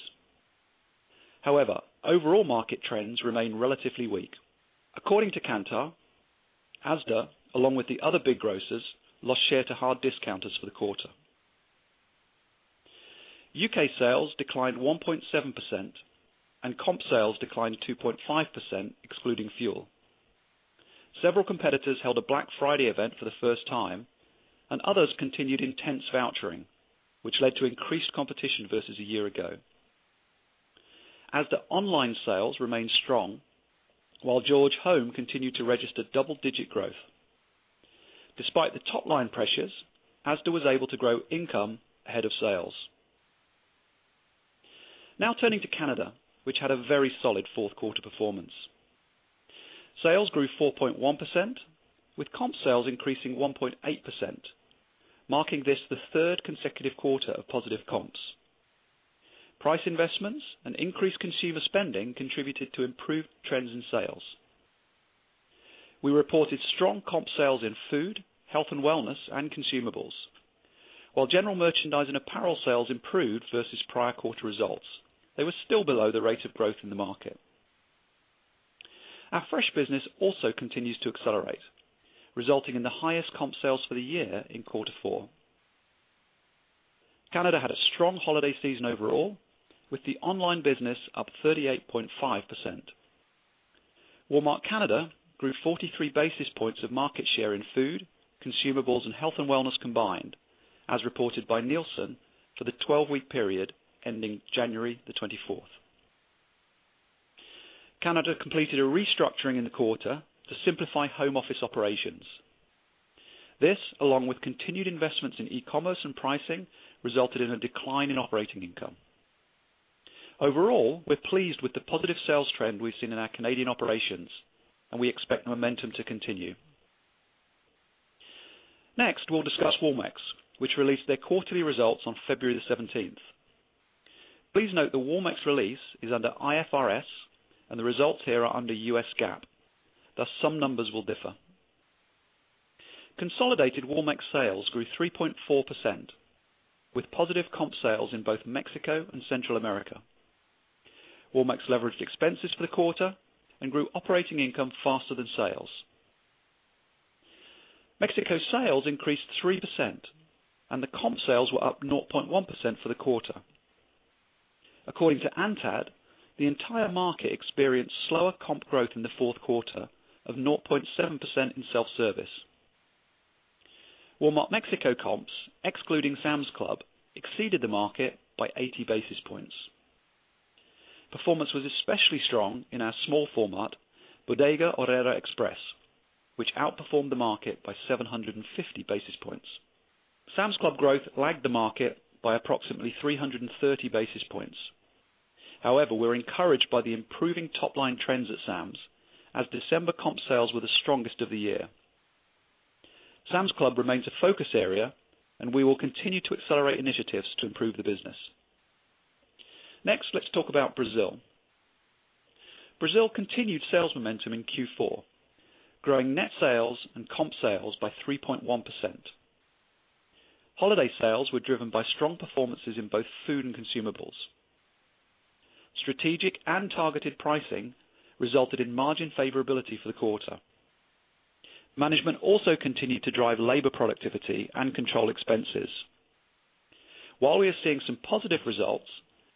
S5: However, overall market trends remain relatively weak. According to Kantar, Asda, along with the other big grocers, lost share to hard discounters for the quarter. U.K. sales declined 1.7% and comp sales declined 2.5%, excluding fuel. Several competitors held a Black Friday event for the first time, and others continued intense vouchering, which led to increased competition versus a year ago. Asda online sales remained strong, while George Home continued to register double-digit growth. Despite the top-line pressures, Asda was able to grow income ahead of sales. Now turning to Canada, which had a very solid fourth quarter performance. Sales grew 4.1%, with comp sales increasing 1.8%, marking this the third consecutive quarter of positive comps. Price investments and increased consumer spending contributed to improved trends in sales. We reported strong comp sales in food, health and wellness, and consumables. While general merchandise and apparel sales improved versus prior quarter results, they were still below the rate of growth in the market. Our fresh business also continues to accelerate, resulting in the highest comp sales for the year in quarter four. Canada had a strong holiday season overall, with the online business up 38.5%. Walmart Canada grew 43 basis points of market share in food, consumables, and health and wellness combined, as reported by Nielsen for the 12-week period ending January the 24th. Canada completed a restructuring in the quarter to simplify home office operations. This, along with continued investments in e-commerce and pricing, resulted in a decline in operating income. Overall, we're pleased with the positive sales trend we've seen in our Canadian operations, and we expect momentum to continue. Next, we'll discuss Walmex, which released their quarterly results on February the 17th. Please note the Walmex release is under IFRS, and the results here are under U.S. GAAP. Thus, some numbers will differ. Consolidated Walmex sales grew 3.4%, with positive comp sales in both Mexico and Central America. Walmex leveraged expenses for the quarter and grew operating income faster than sales. Mexico sales increased 3%, and the comp sales were up 0.1% for the quarter. According to ANTAD, the entire market experienced slower comp growth in the fourth quarter of 0.7% in self-service. Walmart Mexico comps, excluding Sam's Club, exceeded the market by 80 basis points. Performance was especially strong in our small format, Bodega Aurrera Express, which outperformed the market by 750 basis points. Sam's Club growth lagged the market by approximately 330 basis points. However, we're encouraged by the improving top-line trends at Sam's as December comp sales were the strongest of the year. Sam's Club remains a focus area, and we will continue to accelerate initiatives to improve the business. Next, let's talk about Brazil. Brazil continued sales momentum in Q4, growing net sales and comp sales by 3.1%. Holiday sales were driven by strong performances in both food and consumables. Strategic and targeted pricing resulted in margin favorability for the quarter. Management also continued to drive labor productivity and control expenses. While we are seeing some positive results,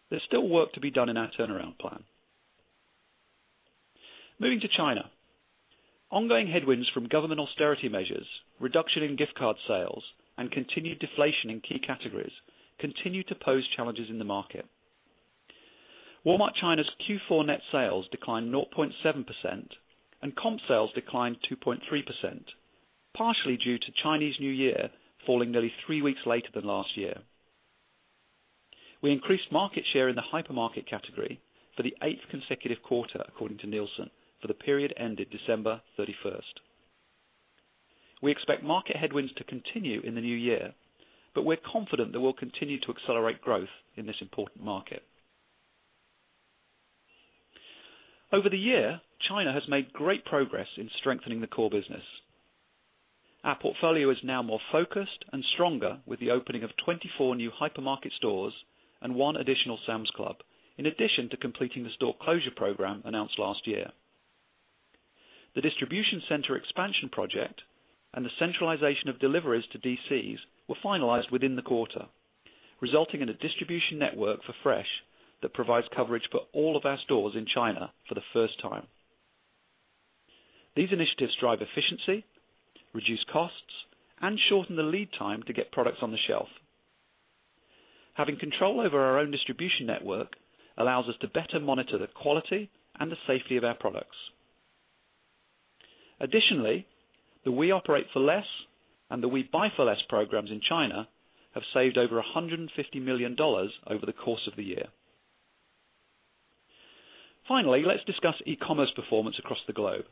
S5: there's still work to be done in our turnaround plan. Moving to China. Ongoing headwinds from government austerity measures, reduction in gift card sales, and continued deflation in key categories continue to pose challenges in the market. Walmart China's Q4 net sales declined 0.7% and comp sales declined 2.3%, partially due to Chinese New Year falling nearly three weeks later than last year. We increased market share in the hypermarket category for the eighth consecutive quarter, according to Nielsen, for the period ended December 31st. We expect market headwinds to continue in the new year, but we're confident that we'll continue to accelerate growth in this important market. Over the year, China has made great progress in strengthening the core business. Our portfolio is now more focused and stronger with the opening of 24 new hypermarket stores and one additional Sam's Club, in addition to completing the store closure program announced last year. The distribution center expansion project and the centralization of deliveries to DCs were finalized within the quarter, resulting in a distribution network for fresh that provides coverage for all of our stores in China for the first time. These initiatives drive efficiency, reduce costs, and shorten the lead time to get products on the shelf. Having control over our own distribution network allows us to better monitor the quality and the safety of our products. Additionally, the We Operate For Less and the We Buy For Less programs in China have saved over $150 million over the course of the year. Finally, let's discuss e-commerce performance across the globe.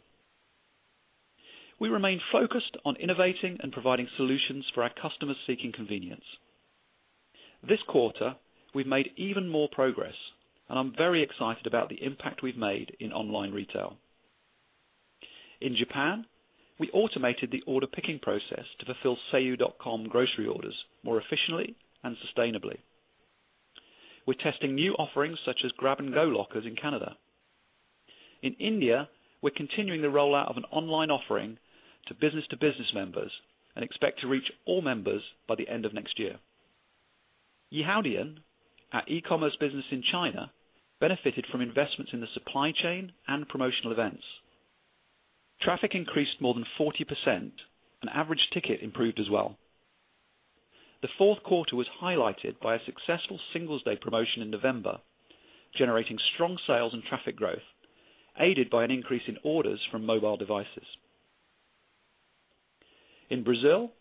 S5: We remain focused on innovating and providing solutions for our customers seeking convenience. This quarter, we've made even more progress, and I'm very excited about the impact we've made in online retail. In Japan, we automated the order picking process to fulfill seiyu.com grocery orders more efficiently and sustainably. We're testing new offerings such as grab-and-go lockers in Canada. In India, we're continuing the rollout of an online offering to business-to-business members and expect to reach all members by the end of next year. Yihaodian, our e-commerce business in China, benefited from investments in the supply chain and promotional events. Traffic increased more than 40%, and average ticket improved as well. The fourth quarter was highlighted by a successful Singles' Day promotion in November, generating strong sales and traffic growth, aided by an increase in orders from mobile devices. In Brazil,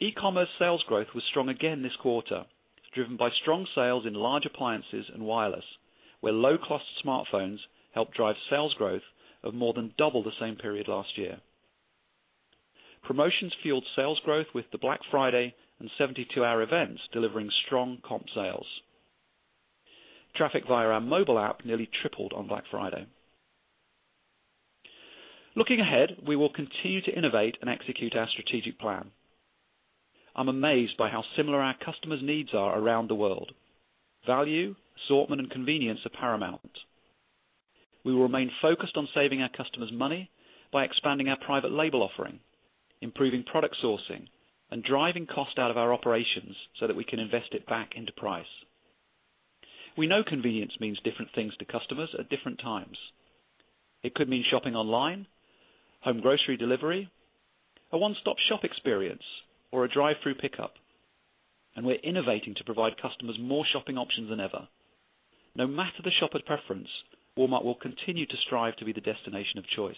S5: e-commerce sales growth was strong again this quarter, driven by strong sales in large appliances and wireless, where low-cost smartphones helped drive sales growth of more than double the same period last year. Promotions fueled sales growth with the Black Friday and 72-hour events delivering strong comp sales. Traffic via our mobile app nearly tripled on Black Friday. Looking ahead, we will continue to innovate and execute our strategic plan. I'm amazed by how similar our customers' needs are around the world. Value, assortment, and convenience are paramount. We will remain focused on saving our customers money by expanding our private label offering, improving product sourcing, and driving cost out of our operations so that we can invest it back into price. We know convenience means different things to customers at different times. It could mean shopping online, home grocery delivery, a one-stop-shop experience, or a drive-through pickup. We're innovating to provide customers more shopping options than ever. No matter the shopper's preference, Walmart will continue to strive to be the destination of choice.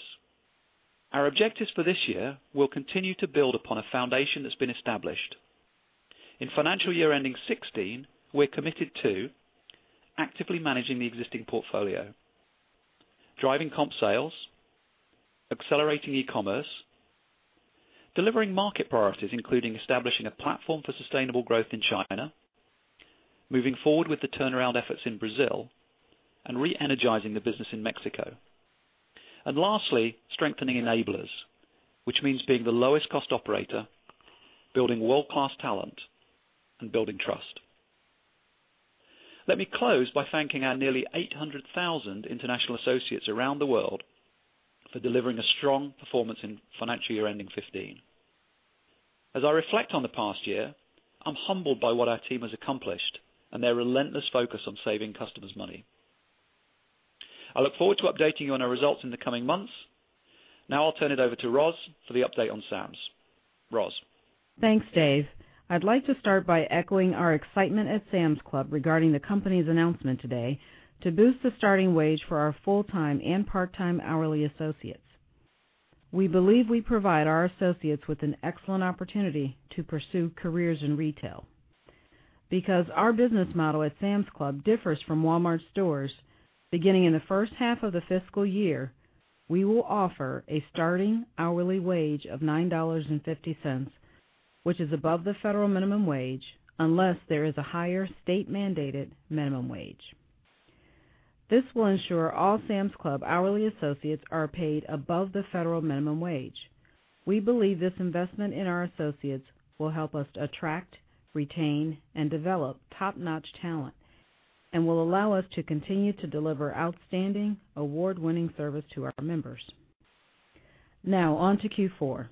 S5: Our objectives for this year will continue to build upon a foundation that's been established. In financial year ending 2016, we're committed to actively managing the existing portfolio, driving comp sales, accelerating e-commerce, delivering market priorities, including establishing a platform for sustainable growth in China, moving forward with the turnaround efforts in Brazil, and re-energizing the business in Mexico. Lastly, strengthening enablers, which means being the lowest cost operator, building world-class talent, and building trust. Let me close by thanking our nearly 800,000 international associates around the world for delivering a strong performance in financial year ending 2015. As I reflect on the past year, I'm humbled by what our team has accomplished and their relentless focus on saving customers money. I look forward to updating you on our results in the coming months. Now I'll turn it over to Roz for the update on Sam's. Roz?
S6: Thanks, Dave. I'd like to start by echoing our excitement at Sam's Club regarding the company's announcement today to boost the starting wage for our full-time and part-time hourly associates. We believe we provide our associates with an excellent opportunity to pursue careers in retail. Because our business model at Sam's Club differs from Walmart stores, beginning in the first half of the fiscal year, we will offer a starting hourly wage of $9.50, which is above the federal minimum wage, unless there is a higher state-mandated minimum wage. This will ensure all Sam's Club hourly associates are paid above the federal minimum wage. We believe this investment in our associates will help us attract, retain, and develop top-notch talent, and will allow us to continue to deliver outstanding award-winning service to our members. Now on to Q4.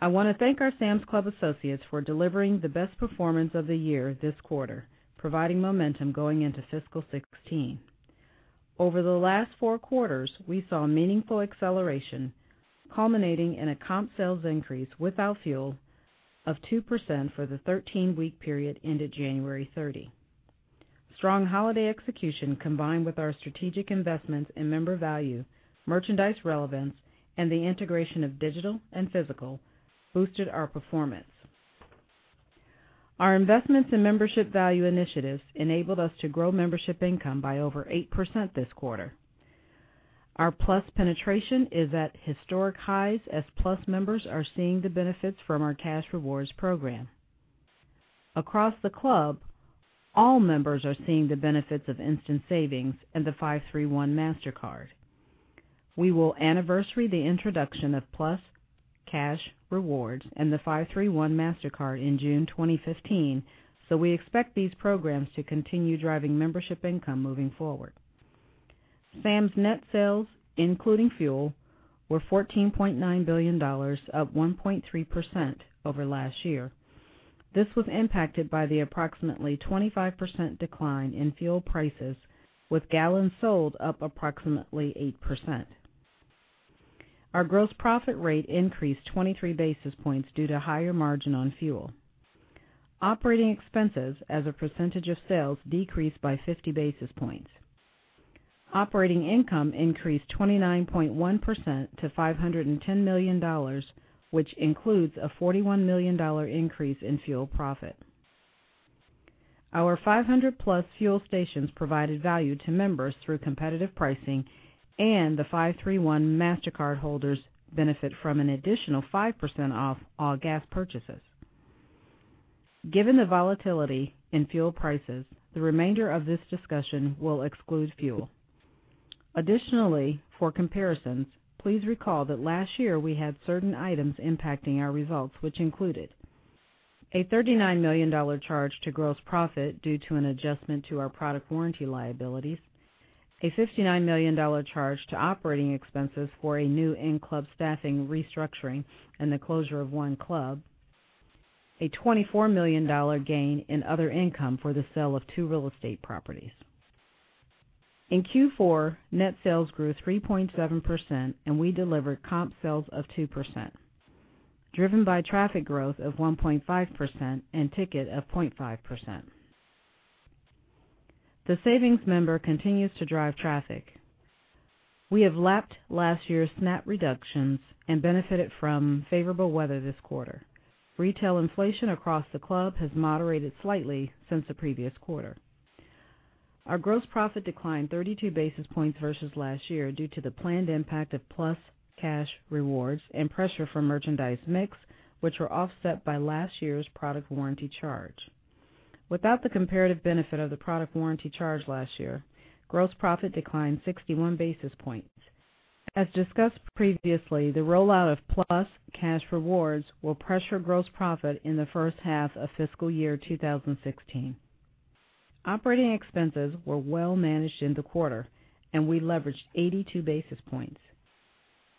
S6: I want to thank our Sam's Club associates for delivering the best performance of the year this quarter, providing momentum going into fiscal 2016. Over the last four quarters, we saw meaningful acceleration culminating in a comp sales increase without fuel of 2% for the 13-week period ended January 30. Strong holiday execution combined with our strategic investments in member value, merchandise relevance, and the integration of digital and physical boosted our performance. Our investments in membership value initiatives enabled us to grow membership income by over 8% this quarter. Our Plus penetration is at historic highs as Plus members are seeing the benefits from our Cash Rewards Program. Across the club, all members are seeing the benefits of instant savings and the 5-3-1 MasterCard. We will anniversary the introduction of Plus Cash Rewards and the 5-3-1 Mastercard in June 2015. We expect these programs to continue driving membership income moving forward. Sam's net sales, including fuel, were $14.9 billion, up 1.3% over last year. This was impacted by the approximately 25% decline in fuel prices, with gallons sold up approximately 8%. Our gross profit rate increased 23 basis points due to higher margin on fuel. Operating expenses as a percentage of sales decreased by 50 basis points. Operating income increased 29.1% to $510 million, which includes a $41 million increase in fuel profit. Our 500-plus fuel stations provided value to members through competitive pricing, and the 5-3-1 Mastercard holders benefit from an additional 5% off all gas purchases. Given the volatility in fuel prices, the remainder of this discussion will exclude fuel. Additionally, for comparisons, please recall that last year we had certain items impacting our results, which included a $39 million charge to gross profit due to an adjustment to our product warranty liabilities, a $59 million charge to operating expenses for a new in-club staffing restructuring, and the closure of one club, a $24 million gain in other income for the sale of two real estate properties. In Q4, net sales grew 3.7%. We delivered comp sales of 2%, driven by traffic growth of 1.5% and ticket of 0.5%. The savings member continues to drive traffic. We have lapped last year's SNAP reductions and benefited from favorable weather this quarter. Retail inflation across the club has moderated slightly since the previous quarter. Our gross profit declined 32 basis points versus last year due to the planned impact of Plus Cash Rewards and pressure from merchandise mix, which were offset by last year's product warranty charge. Without the comparative benefit of the product warranty charge last year, gross profit declined 61 basis points. As discussed previously, the rollout of Plus Cash Rewards will pressure gross profit in the first half of fiscal year 2016. Operating expenses were well managed in the quarter. We leveraged 82 basis points.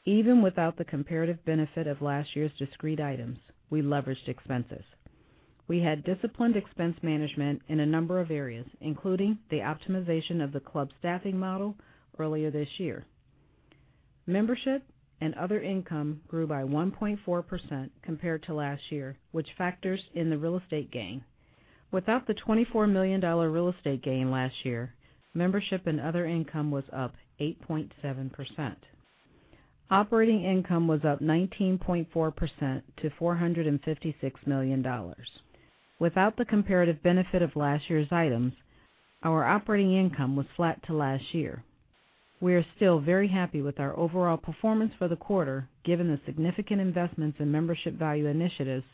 S6: Even without the comparative benefit of last year's discrete items, we leveraged expenses. We had disciplined expense management in a number of areas, including the optimization of the club staffing model earlier this year. Membership and other income grew by 1.4% compared to last year, which factors in the real estate gain. Without the $24 million real estate gain last year, membership and other income was up 8.7%. Operating income was up 19.4% to $456 million. Without the comparative benefit of last year's items, our operating income was flat to last year. We are still very happy with our overall performance for the quarter, given the significant investments in membership value initiatives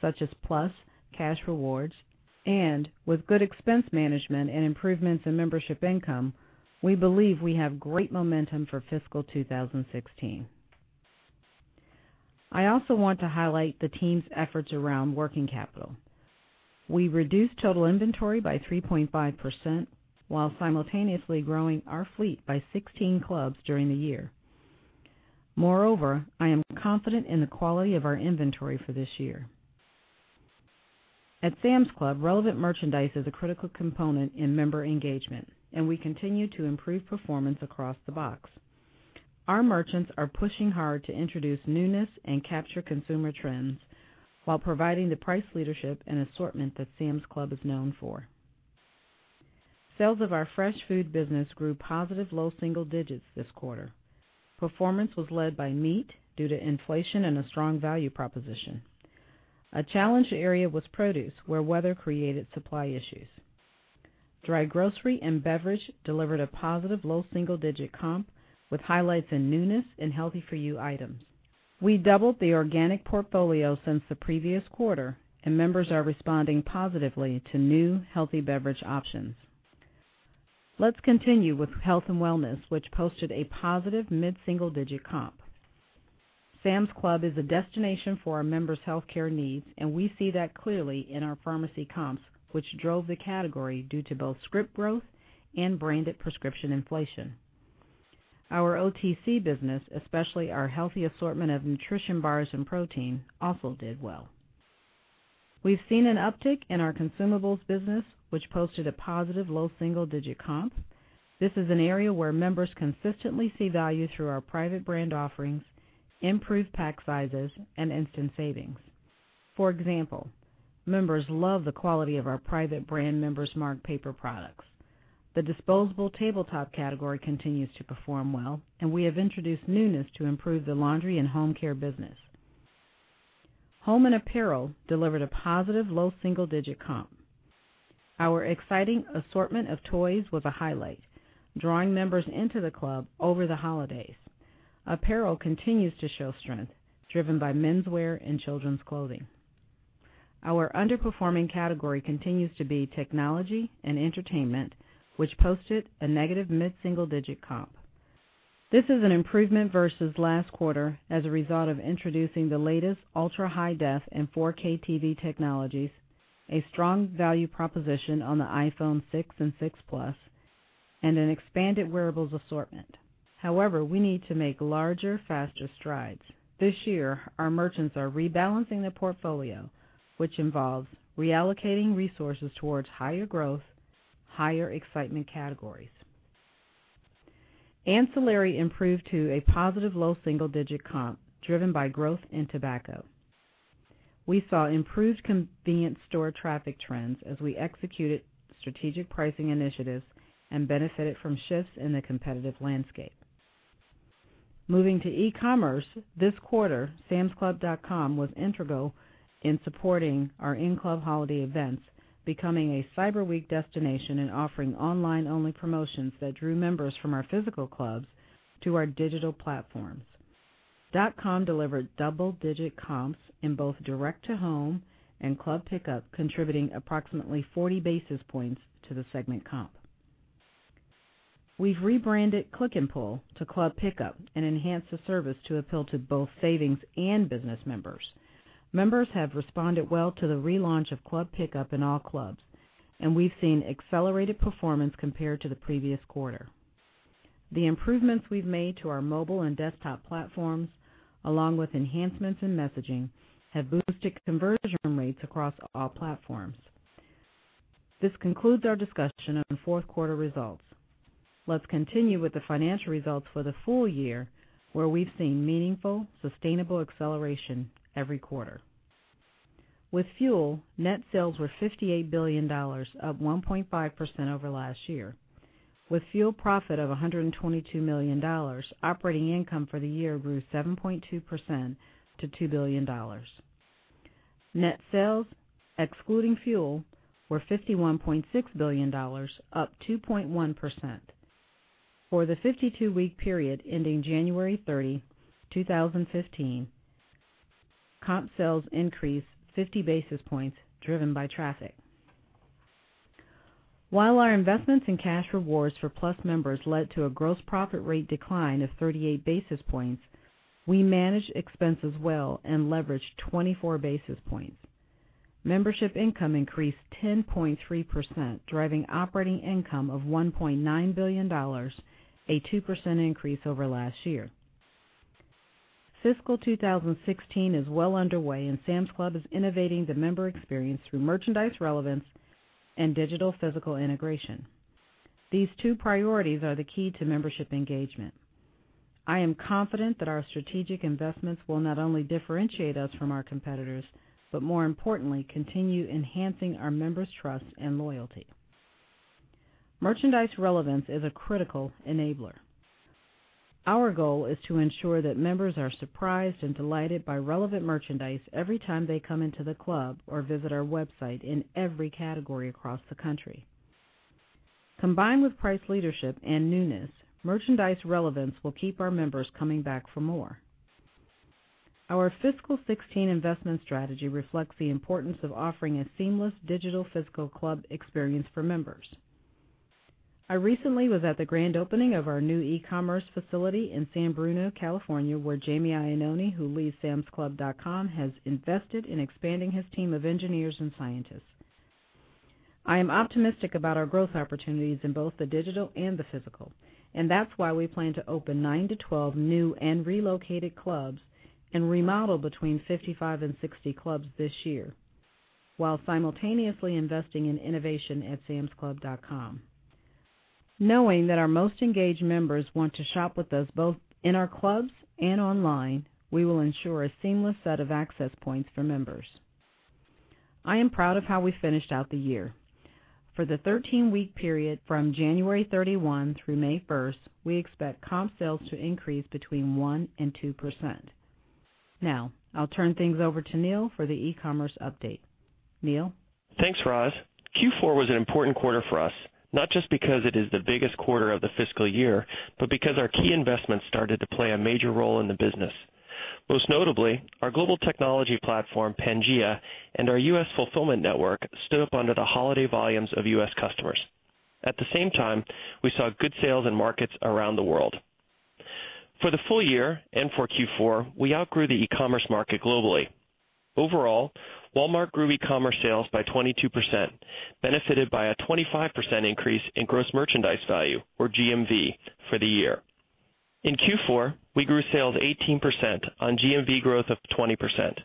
S6: such as Plus Cash Rewards. With good expense management and improvements in membership income, we believe we have great momentum for fiscal 2016. I also want to highlight the team's efforts around working capital. We reduced total inventory by 3.5% while simultaneously growing our fleet by 16 clubs during the year. Moreover, I am confident in the quality of our inventory for this year. At Sam's Club, relevant merchandise is a critical component in member engagement, and we continue to improve performance across the box. Our merchants are pushing hard to introduce newness and capture consumer trends while providing the price leadership and assortment that Sam's Club is known for. Sales of our fresh food business grew positive low double digits this quarter. Performance was led by meat due to inflation and a strong value proposition. A challenge area was produce, where weather created supply issues. Dry grocery and beverage delivered a positive low single-digit comp with highlights in newness and healthy for you items. We doubled the organic portfolio since the previous quarter, and members are responding positively to new healthy beverage options. Let's continue with health and wellness, which posted a positive mid-single-digit comp. Sam's Club is a destination for our members' healthcare needs, and we see that clearly in our pharmacy comps, which drove the category due to both script growth and branded prescription inflation. Our OTC business, especially our healthy assortment of nutrition bars and protein, also did well. We've seen an uptick in our consumables business, which posted a positive low single-digit comp. This is an area where members consistently see value through our private brand offerings, improved pack sizes, and instant savings. For example, members love the quality of our private brand Member's Mark paper products. The disposable tabletop category continues to perform well, and we have introduced newness to improve the laundry and home care business. Home and apparel delivered a positive low single-digit comp. Our exciting assortment of toys was a highlight, drawing members into the club over the holidays. Apparel continues to show strength, driven by menswear and children's clothing. Our underperforming category continues to be technology and entertainment, which posted a negative mid-single-digit comp. This is an improvement versus last quarter as a result of introducing the latest ultra-high def and 4K TV technologies, a strong value proposition on the iPhone 6 and 6 Plus, and an expanded wearables assortment. We need to make larger, faster strides. This year, our merchants are rebalancing the portfolio, which involves reallocating resources towards higher growth, higher excitement categories. Ancillary improved to a positive low single-digit comp, driven by growth in tobacco. We saw improved convenience store traffic trends as we executed strategic pricing initiatives and benefited from shifts in the competitive landscape. Moving to e-commerce, this quarter, samsclub.com was integral in supporting our in-club holiday events, becoming a Cyber Week destination and offering online-only promotions that drew members from our physical clubs to our digital platforms. Dot com delivered double-digit comps in both direct-to-home and Club Pickup, contributing approximately 40 basis points to the segment comp. We've rebranded Click and Pull to Club Pickup and enhanced the service to appeal to both savings and business members. Members have responded well to the relaunch of Club Pickup in all clubs, and we've seen accelerated performance compared to the previous quarter. The improvements we've made to our mobile and desktop platforms, along with enhancements in messaging, have boosted conversion rates across all platforms. This concludes our discussion on fourth quarter results. Let's continue with the financial results for the full year, where we've seen meaningful, sustainable acceleration every quarter. With fuel, net sales were $58 billion, up 1.5% over last year. With fuel profit of $122 million, operating income for the year grew 7.2% to $2 billion. Net sales, excluding fuel, were $51.6 billion, up 2.1%. For the 52-week period ending January 30, 2015, comp sales increased 50 basis points, driven by traffic. While our investments in cash rewards for Plus members led to a gross profit rate decline of 38 basis points, we managed expenses well and leveraged 24 basis points. Membership income increased 10.3%, driving operating income of $1.9 billion, a 2% increase over last year. Fiscal 2016 is well underway, and Sam's Club is innovating the member experience through merchandise relevance and digital physical integration. These two priorities are the key to membership engagement. I am confident that our strategic investments will not only differentiate us from our competitors, but more importantly, continue enhancing our members' trust and loyalty. Merchandise relevance is a critical enabler. Our goal is to ensure that members are surprised and delighted by relevant merchandise every time they come into the club or visit our website in every category across the country. Combined with price leadership and newness, merchandise relevance will keep our members coming back for more. Our fiscal 2016 investment strategy reflects the importance of offering a seamless digital physical club experience for members. I recently was at the grand opening of our new e-commerce facility in San Bruno, California, where Jamie Iannone, who leads samsclub.com, has invested in expanding his team of engineers and scientists. I am optimistic about our growth opportunities in both the digital and the physical, and that's why we plan to open nine to 12 new and relocated clubs and remodel between 55 and 60 clubs this year, while simultaneously investing in innovation at samsclub.com. Knowing that our most engaged members want to shop with us both in our clubs and online, we will ensure a seamless set of access points for members. I am proud of how we finished out the year. For the 13-week period from January 31 through May 1st, we expect comp sales to increase between 1% and 2%. Now, I'll turn things over to Neil for the e-commerce update. Neil?
S7: Thanks, Roz. Q4 was an important quarter for us, not just because it is the biggest quarter of the fiscal year, but because our key investments started to play a major role in the business. Most notably, our global technology platform, Pangaea, and our U.S. fulfillment network stood up under the holiday volumes of U.S. customers. At the same time, we saw good sales in markets around the world. For the full year and for Q4, we outgrew the e-commerce market globally. Overall, Walmart grew e-commerce sales by 22%, benefited by a 25% increase in gross merchandise value, or GMV, for the year. In Q4, we grew sales 18% on GMV growth of 20%.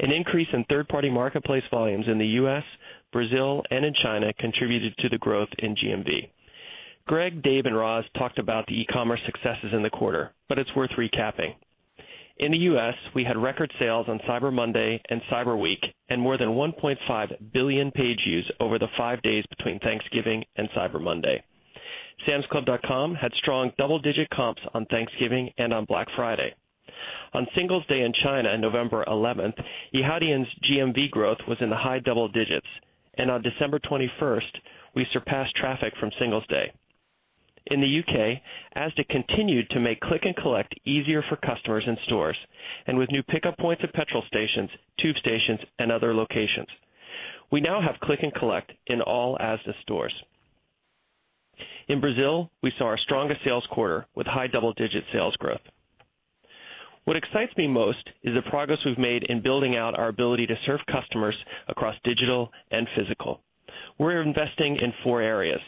S7: An increase in third-party marketplace volumes in the U.S., Brazil, and in China contributed to the growth in GMV. Greg, Dave, and Roz talked about the e-commerce successes in the quarter, but it's worth recapping. In the U.S., we had record sales on Cyber Monday and Cyber Week and more than 1.5 billion page views over the five days between Thanksgiving and Cyber Monday. samsclub.com had strong double-digit comps on Thanksgiving and on Black Friday. On Singles' Day in China on November 11th, Yihaodian's GMV growth was in the high double digits, and on December 21st, we surpassed traffic from Singles' Day. In the U.K., Asda continued to make click and collect easier for customers in stores and with new pickup points at petrol stations, tube stations, and other locations. We now have click and collect in all Asda stores. In Brazil, we saw our strongest sales quarter with high double-digit sales growth. What excites me most is the progress we've made in building out our ability to serve customers across digital and physical. We're investing in four areas,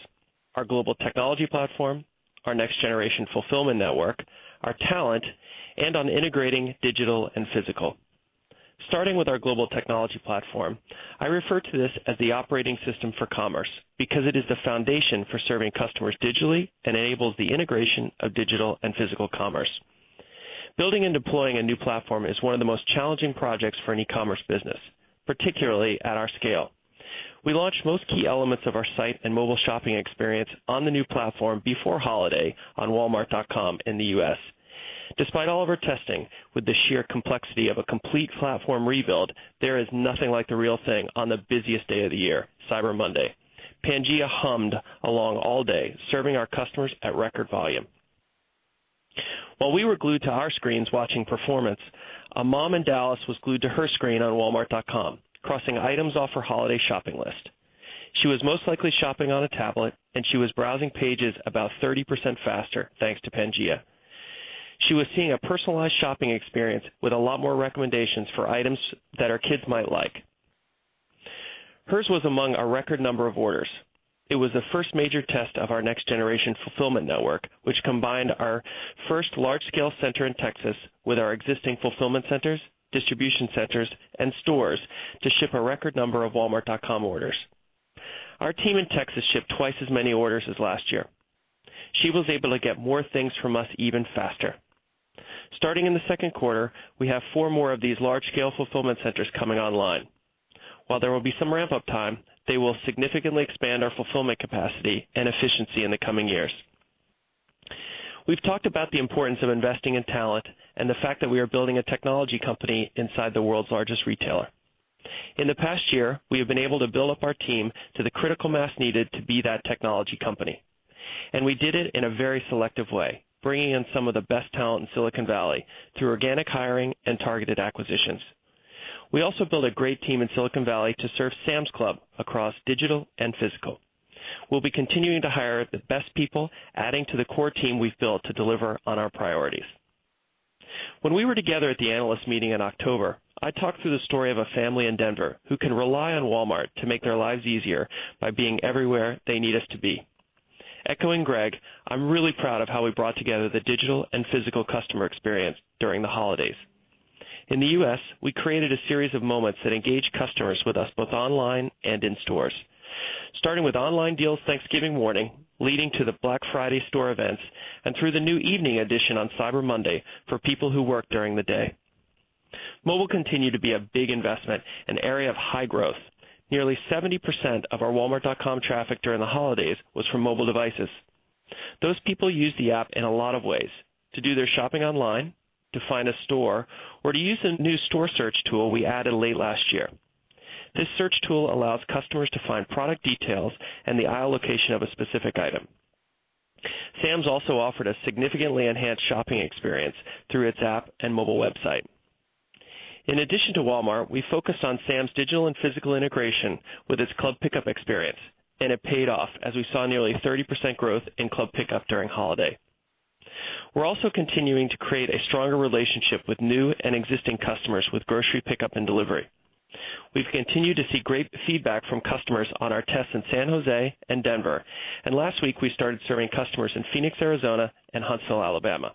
S7: our global technology platform, our next generation fulfillment network, our talent, and on integrating digital and physical. Starting with our global technology platform, I refer to this as the operating system for commerce because it is the foundation for serving customers digitally and enables the integration of digital and physical commerce. Building and deploying a new platform is one of the most challenging projects for an e-commerce business, particularly at our scale. We launched most key elements of our site and mobile shopping experience on the new platform before holiday on walmart.com in the U.S. Despite all of our testing, with the sheer complexity of a complete platform rebuild, there is nothing like the real thing on the busiest day of the year, Cyber Monday. Pangaea hummed along all day, serving our customers at record volume. While we were glued to our screens watching performance, a mom in Dallas was glued to her screen on walmart.com, crossing items off her holiday shopping list. She was most likely shopping on a tablet, and she was browsing pages about 30% faster, thanks to Pangea. She was seeing a personalized shopping experience with a lot more recommendations for items that her kids might like. Hers was among a record number of orders. It was the first major test of our next generation fulfillment network, which combined our first large-scale center in Texas with our existing fulfillment centers, distribution centers, and stores to ship a record number of walmart.com orders. Our team in Texas shipped twice as many orders as last year. She was able to get more things from us even faster. Starting in the second quarter, we have four more of these large-scale fulfillment centers coming online. While there will be some ramp-up time, they will significantly expand our fulfillment capacity and efficiency in the coming years. We've talked about the importance of investing in talent and the fact that we are building a technology company inside the world's largest retailer. In the past year, we have been able to build up our team to the critical mass needed to be that technology company. We did it in a very selective way, bringing in some of the best talent in Silicon Valley through organic hiring and targeted acquisitions. We also built a great team in Silicon Valley to serve Sam's Club across digital and physical. We'll be continuing to hire the best people, adding to the core team we've built to deliver on our priorities. When we were together at the analyst meeting in October, I talked through the story of a family in Denver who can rely on Walmart to make their lives easier by being everywhere they need us to be. Echoing Greg, I'm really proud of how we brought together the digital and physical customer experience during the holidays. In the U.S., we created a series of moments that engaged customers with us both online and in stores. Starting with online deals Thanksgiving morning, leading to the Black Friday store events, and through the new evening edition on Cyber Monday for people who work during the day. Mobile continued to be a big investment, an area of high growth. Nearly 70% of our walmart.com traffic during the holidays was from mobile devices. Those people use the app in a lot of ways, to do their shopping online, to find a store, or to use the new store search tool we added late last year. This search tool allows customers to find product details and the aisle location of a specific item. Sam's also offered a significantly enhanced shopping experience through its app and mobile website. In addition to Walmart, we focused on Sam's digital and physical integration with its Club Pickup experience, and it paid off as we saw nearly 30% growth in Club Pickup during holiday. We're also continuing to create a stronger relationship with new and existing customers with Grocery Pickup and delivery. We've continued to see great feedback from customers on our tests in San Jose and Denver, and last week, we started serving customers in Phoenix, Arizona and Huntsville, Alabama.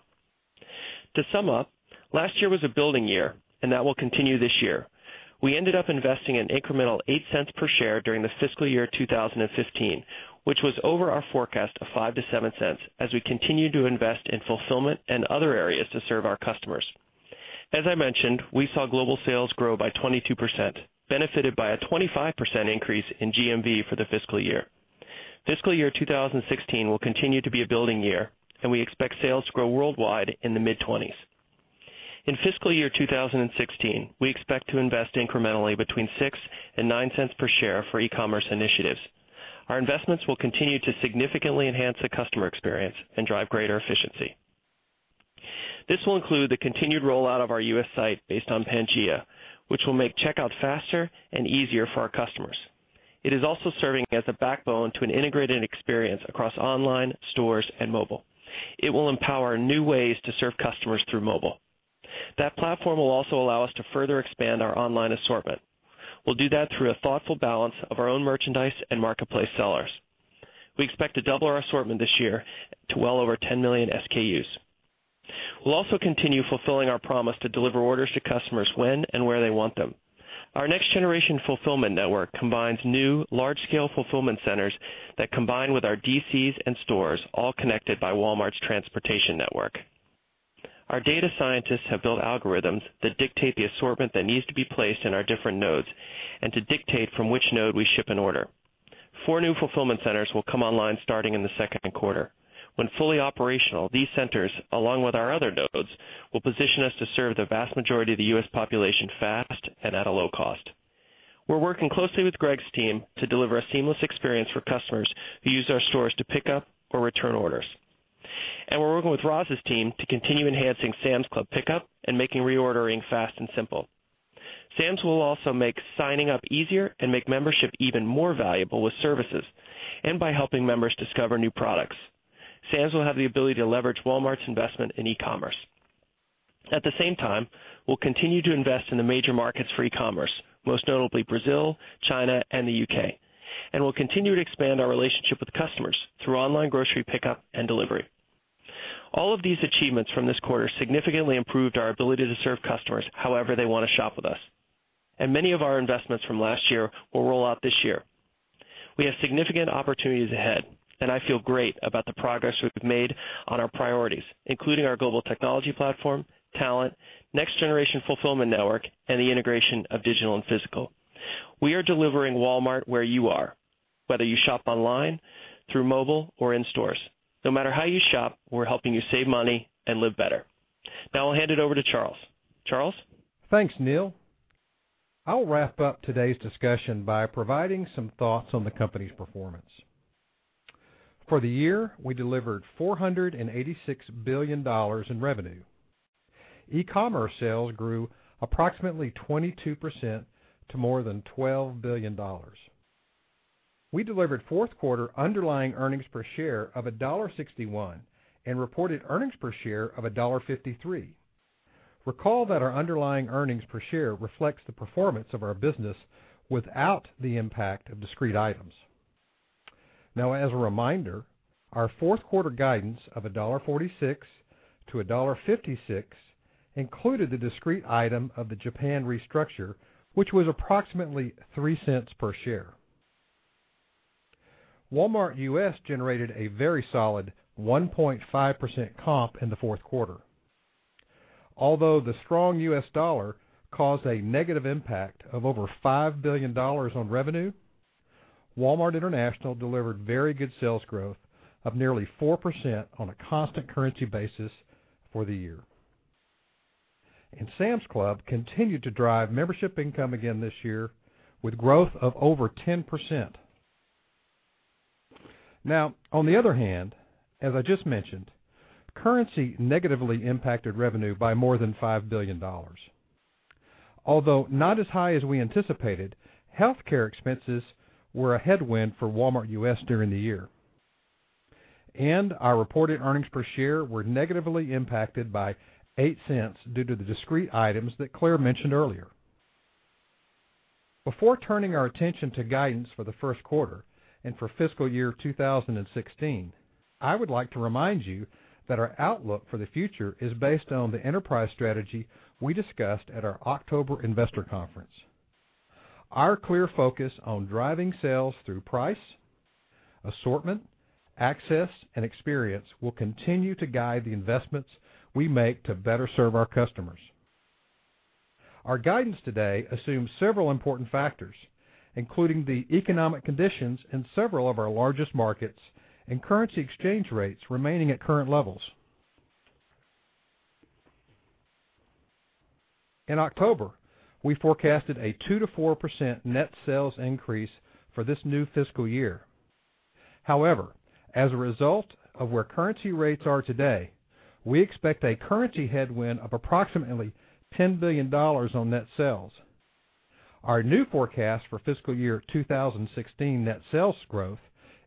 S7: To sum up, last year was a building year, that will continue this year. We ended up investing an incremental $0.08 per share during the fiscal year 2015, which was over our forecast of $0.05-$0.07 as we continue to invest in fulfillment and other areas to serve our customers. As I mentioned, we saw global sales grow by 22%, benefited by a 25% increase in GMV for the fiscal year. Fiscal year 2016 will continue to be a building year, and we expect sales to grow worldwide in the mid-20s. In fiscal year 2016, we expect to invest incrementally between $0.06 and $0.09 per share for e-commerce initiatives. Our investments will continue to significantly enhance the customer experience and drive greater efficiency. This will include the continued rollout of our U.S. site based on Pangea, which will make checkout faster and easier for our customers. It is also serving as a backbone to an integrated experience across online stores and mobile. It will empower new ways to serve customers through mobile. That platform will also allow us to further expand our online assortment. We'll do that through a thoughtful balance of our own merchandise and marketplace sellers. We expect to double our assortment this year to well over 10 million SKUs. We'll also continue fulfilling our promise to deliver orders to customers when and where they want them. Our next generation fulfillment network combines new large-scale fulfillment centers that combine with our DCs and stores, all connected by Walmart's transportation network. Our data scientists have built algorithms that dictate the assortment that needs to be placed in our different nodes and to dictate from which node we ship an order. 4 new fulfillment centers will come online starting in the 2Q. When fully operational, these centers, along with our other nodes, will position us to serve the vast majority of the U.S. population fast and at a low cost. We're working closely with Greg's team to deliver a seamless experience for customers who use our stores to pick up or return orders. We're working with Roz's team to continue enhancing Sam's Club Pickup and making reordering fast and simple. Sam's will also make signing up easier and make membership even more valuable with services and by helping members discover new products. Sam's will have the ability to leverage Walmart's investment in e-commerce. At the same time, we'll continue to invest in the major markets for e-commerce, most notably Brazil, China, and the U.K. We'll continue to expand our relationship with customers through online grocery pickup and delivery. All of these achievements from this quarter significantly improved our ability to serve customers however they want to shop with us, and many of our investments from last year will roll out this year. We have significant opportunities ahead, and I feel great about the progress we've made on our priorities, including our global technology platform, talent, next-generation fulfillment network, and the integration of digital and physical. We are delivering Walmart where you are, whether you shop online, through mobile, or in stores. No matter how you shop, we're helping you save money and live better. Now I'll hand it over to Charles. Charles?
S8: Thanks, Neil. I'll wrap up today's discussion by providing some thoughts on the company's performance. For the year, we delivered $486 billion in revenue. E-commerce sales grew approximately 22% to more than $12 billion. We delivered fourth-quarter underlying EPS of $1.61 and reported EPS of $1.53. Recall that our underlying EPS reflects the performance of our business without the impact of discrete items. As a reminder, our fourth-quarter guidance of $1.46-$1.56 included the discrete item of the Japan restructure, which was approximately $0.03 per share. Walmart U.S. generated a very solid 1.5% comp in the fourth quarter. Although the strong U.S. dollar caused a negative impact of over $5 billion on revenue, Walmart International delivered very good sales growth of nearly 4% on a constant currency basis for the year. Sam's Club continued to drive membership income again this year with growth of over 10%. On the other hand, as I just mentioned, currency negatively impacted revenue by more than $5 billion. Although not as high as we anticipated, healthcare expenses were a headwind for Walmart U.S. during the year. Our reported EPS were negatively impacted by $0.08 due to the discrete items that Claire mentioned earlier. Before turning our attention to guidance for the first quarter and for fiscal year 2016, I would like to remind you that our outlook for the future is based on the enterprise strategy we discussed at our October investor conference. Our clear focus on driving sales through price, assortment, access, and experience will continue to guide the investments we make to better serve our customers. Our guidance today assumes several important factors, including the economic conditions in several of our largest markets and currency exchange rates remaining at current levels. In October, we forecasted a 2%-4% net sales increase for this new fiscal year. However, as a result of where currency rates are today, we expect a currency headwind of approximately $10 billion on net sales. Our new forecast for fiscal year 2016 net sales growth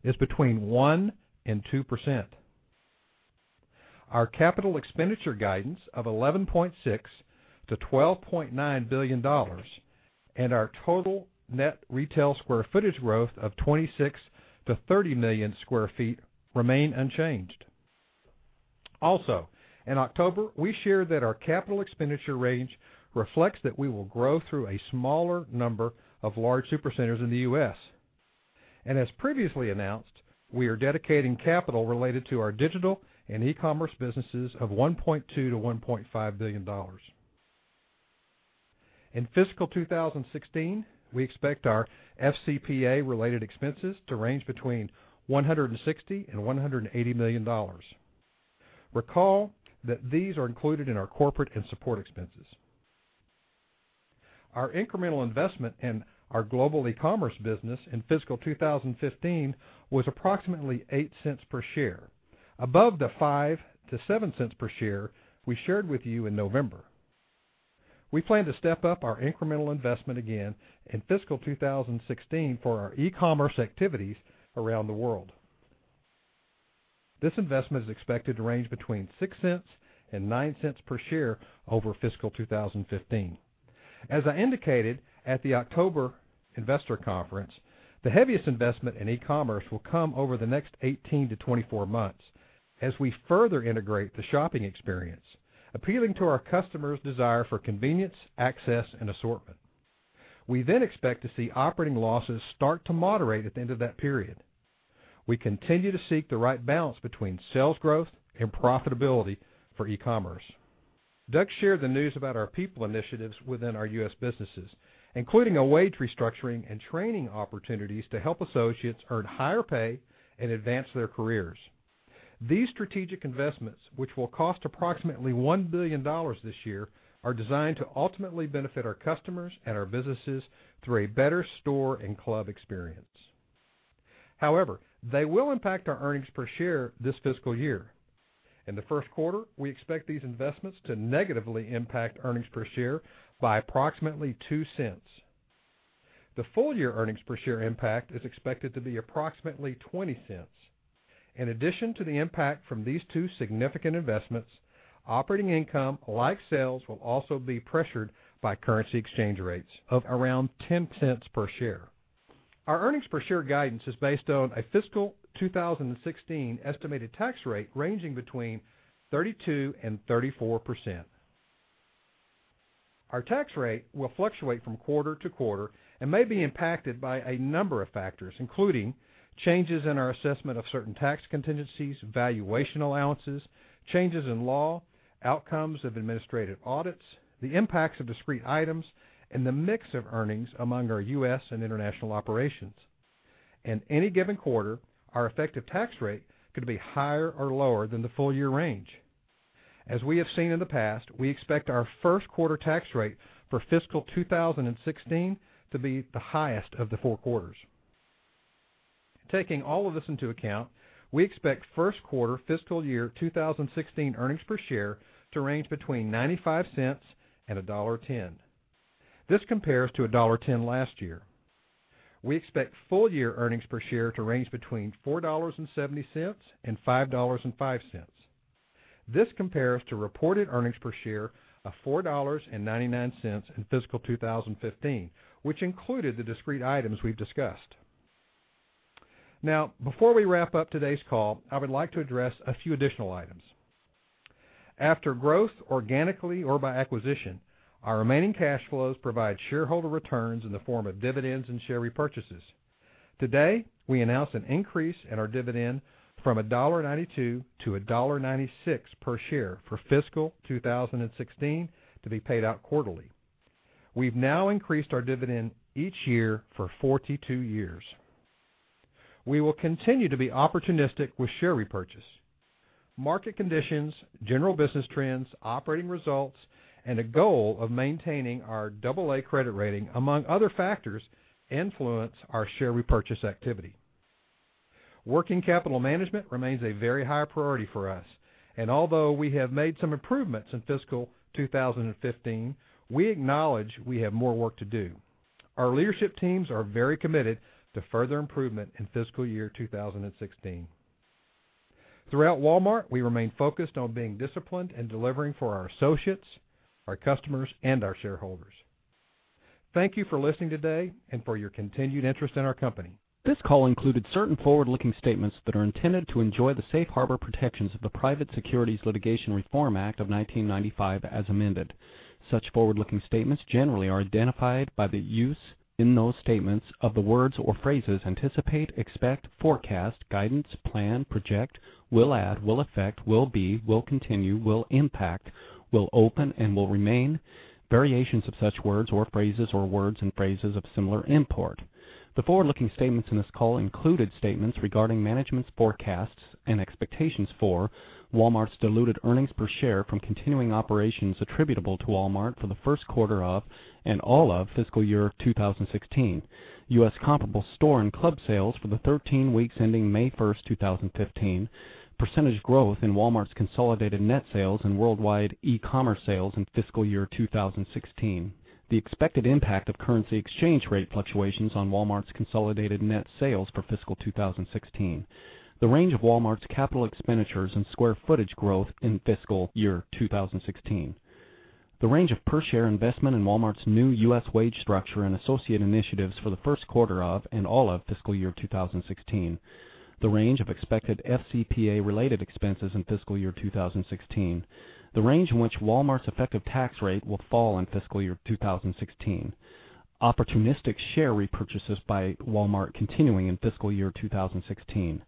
S8: is between 1% and 2%. Our capital expenditure guidance of $11.6 billion-$12.9 billion and our total net retail square footage growth of 26 million-30 million square feet remain unchanged. Also, in October, we shared that our capital expenditure range reflects that we will grow through a smaller number of large Supercenters in the U.S. As previously announced, we are dedicating capital related to our digital and e-commerce businesses of $1.2 billion-$1.5 billion. In fiscal 2016, we expect our FCPA-related expenses to range between $160 million and $180 million. Recall that these are included in our corporate and support expenses. Our incremental investment in our Global eCommerce business in fiscal 2015 was approximately $0.08 per share, above the $0.05-$0.07 per share we shared with you in November. We plan to step up our incremental investment again in fiscal 2016 for our e-commerce activities around the world. This investment is expected to range between $0.06 and $0.09 per share over fiscal 2015. As I indicated at the October investor conference, the heaviest investment in e-commerce will come over the next 18-24 months as we further integrate the shopping experience, appealing to our customers' desire for convenience, access, and assortment. We expect to see operating losses start to moderate at the end of that period. We continue to seek the right balance between sales growth and profitability for e-commerce. Doug shared the news about our people initiatives within our U.S. businesses, including a wage restructuring and training opportunities to help associates earn higher pay and advance their careers. These strategic investments, which will cost approximately $1 billion this year, are designed to ultimately benefit our customers and our businesses through a better store and club experience. However, they will impact our earnings per share this fiscal year. In the first quarter, we expect these investments to negatively impact earnings per share by approximately $0.02. The full-year earnings per share impact is expected to be approximately $0.20. In addition to the impact from these two significant investments, operating income, like sales, will also be pressured by currency exchange rates of around $0.10 per share. Our earnings per share guidance is based on a fiscal 2016 estimated tax rate ranging between 32% and 34%. Our tax rate will fluctuate from quarter to quarter and may be impacted by a number of factors, including changes in our assessment of certain tax contingencies, valuation allowances, changes in law, outcomes of administrative audits, the impacts of discrete items, and the mix of earnings among our U.S. and international operations. In any given quarter, our effective tax rate could be higher or lower than the full-year range. As we have seen in the past, we expect our first quarter tax rate for fiscal 2016 to be the highest of the four quarters. Taking all of this into account, we expect first quarter fiscal year 2016 earnings per share to range between $0.95 and $1.10. This compares to $1.10 last year. We expect full-year earnings per share to range between $4.70 and $5.05. This compares to reported earnings per share of $4.99 in fiscal 2015, which included the discrete items we've discussed. Before we wrap up today's call, I would like to address a few additional items. After growth organically or by acquisition, our remaining cash flows provide shareholder returns in the form of dividends and share repurchases. Today, we announced an increase in our dividend from $1.92 to $1.96 per share for fiscal 2016 to be paid out quarterly. We've now increased our dividend each year for 42 years. We will continue to be opportunistic with share repurchase. Market conditions, general business trends, operating results, and a goal of maintaining our double A credit rating among other factors influence our share repurchase activity. Working capital management remains a very high priority for us, although we have made some improvements in fiscal 2015, we acknowledge we have more work to do. Our leadership teams are very committed to further improvement in fiscal year 2016. Throughout Walmart, we remain focused on being disciplined and delivering for our associates, our customers, and our shareholders. Thank you for listening today and for your continued interest in our company.
S1: This call included certain forward-looking statements that are intended to enjoy the safe harbor protections of the Private Securities Litigation Reform Act of 1995 as amended. Such forward-looking statements generally are identified by the use in those statements of the words or phrases anticipate, expect, forecast, guidance, plan, project, will add, will affect, will be, will continue, will impact, will open, and will remain, variations of such words or phrases, or words and phrases of similar import. The forward-looking statements in this call included statements regarding management's forecasts and expectations for Walmart's diluted earnings per share from continuing operations attributable to Walmart for the first quarter of and all of fiscal year 2016, U.S. comparable store and club sales for the 13 weeks ending May 1st, 2015, percentage growth in Walmart's consolidated net sales and worldwide e-commerce sales in fiscal year 2016, the expected impact of currency exchange rate fluctuations on Walmart's consolidated net sales for fiscal 2016, the range of Walmart's capital expenditures and square footage growth in fiscal year 2016, the range of per-share investment in Walmart's new U.S. wage structure and associate initiatives for the first quarter of and all of fiscal year 2016, the range of expected FCPA related expenses in fiscal year 2016, the range in which Walmart's effective tax rate will fall in fiscal year 2016, opportunistic share repurchases by Walmart continuing in fiscal year 2016,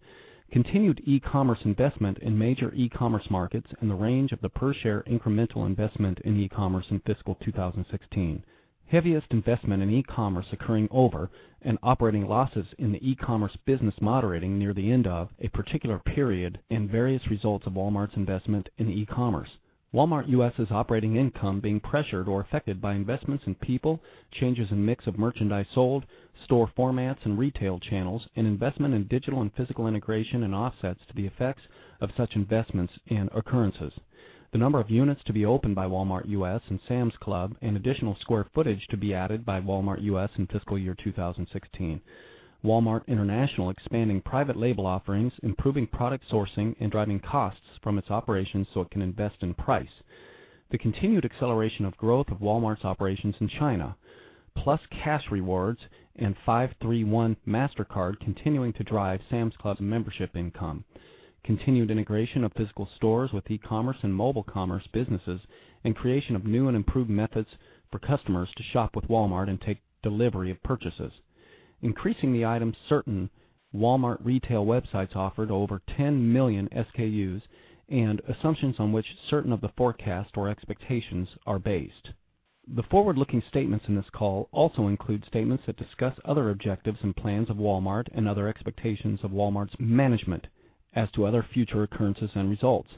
S1: continued e-commerce investment in major e-commerce markets and the range of the per-share incremental investment in e-commerce in fiscal 2016, heaviest investment in e-commerce occurring over and operating losses in the e-commerce business moderating near the end of a particular period and various results of Walmart's investment in e-commerce, Walmart U.S.' operating income being pressured or affected by investments in people, changes in mix of merchandise sold, store formats and retail channels, and investment in digital and physical integration and offsets to the effects of such investments and occurrences, the number of units to be opened by Walmart U.S. and Sam's Club and additional square footage to be added by Walmart U.S. in fiscal year 2016, Walmart International expanding private label offerings, improving product sourcing, and driving costs from its operations so it can invest in price, the continued acceleration of growth of Walmart's operations in China, Plus Cash Rewards and 5-3-1 MasterCard continuing to drive Sam's Club's membership income, continued integration of physical stores with e-commerce and mobile commerce businesses, and creation of new and improved methods for customers to shop with Walmart and take delivery of purchases, increasingly items certain Walmart retail websites offered over 10 million SKUs and assumptions on which certain of the forecast or expectations are based. The forward-looking statements in this call also include statements that discuss other objectives and plans of Walmart and other expectations of Walmart's management as to other future occurrences and results.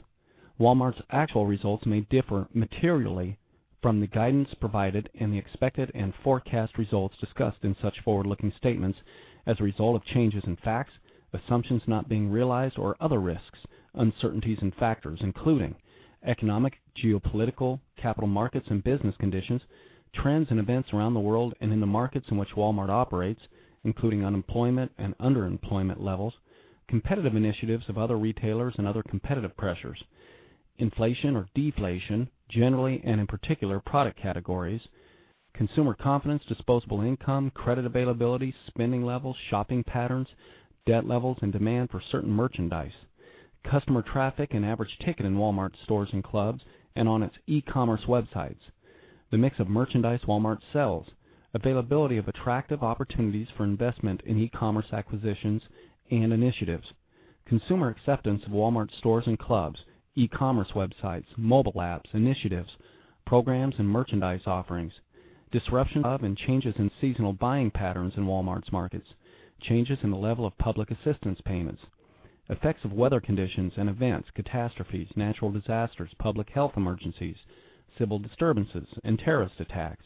S1: Walmart's actual results may differ materially from the guidance provided and the expected and forecast results discussed in such forward-looking statements as a result of changes in facts, assumptions not being realized, or other risks, uncertainties, and factors including economic, geopolitical, capital markets, and business conditions, trends and events around the world and in the markets in which Walmart operates, including unemployment and underemployment levels, competitive initiatives of other retailers and other competitive pressures, inflation or deflation, generally and in particular product categories, consumer confidence, disposable income, credit availability, spending levels, shopping patterns, debt levels, and demand for certain merchandise, customer traffic and average ticket in Walmart stores and clubs and on its e-commerce websites, the mix of merchandise Walmart sells, availability of attractive opportunities for investment in e-commerce acquisitions and initiatives, consumer acceptance of Walmart stores and clubs, e-commerce websites, mobile apps, initiatives, programs, and merchandise offerings, disruption of and changes in seasonal buying patterns in Walmart's markets, changes in the level of public assistance payments, effects of weather conditions and events, catastrophes, natural disasters, public health emergencies, civil disturbances, and terrorist attacks,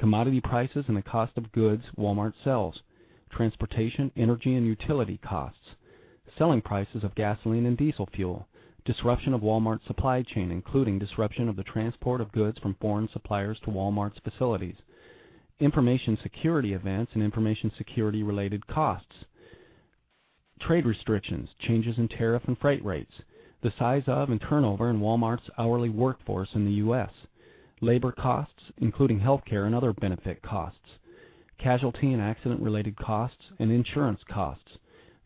S1: commodity prices and the cost of goods Walmart sells, transportation, energy, and utility costs, selling prices of gasoline and diesel fuel, disruption of Walmart's supply chain, including disruption of the transport of goods from foreign suppliers to Walmart's facilities, information security events and information security-related costs, trade restrictions, changes in tariff and freight rates, the size of and turnover in Walmart's hourly workforce in the U.S., labor costs, including healthcare and other benefit costs, casualty and accident-related costs and insurance costs,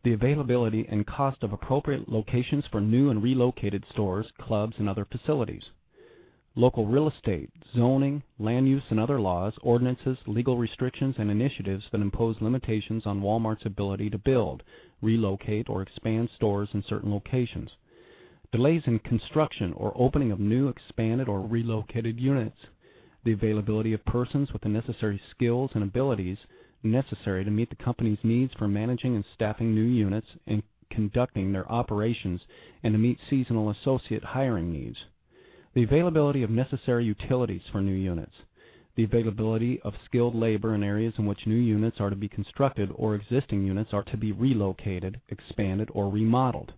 S1: the availability and cost of appropriate locations for new and relocated stores, clubs and other facilities, local real estate, zoning, land use and other laws, ordinances, legal restrictions and initiatives that impose limitations on Walmart's ability to build, relocate, or expand stores in certain locations, delays in construction or opening of new, expanded, or relocated units, the availability of persons with the necessary skills and abilities necessary to meet the company's needs for managing and staffing new units and conducting their operations and to meet seasonal associate hiring needs, the availability of necessary utilities for new units, the availability of skilled labor in areas in which new units are to be constructed or existing units are to be relocated, expanded, or remodeled,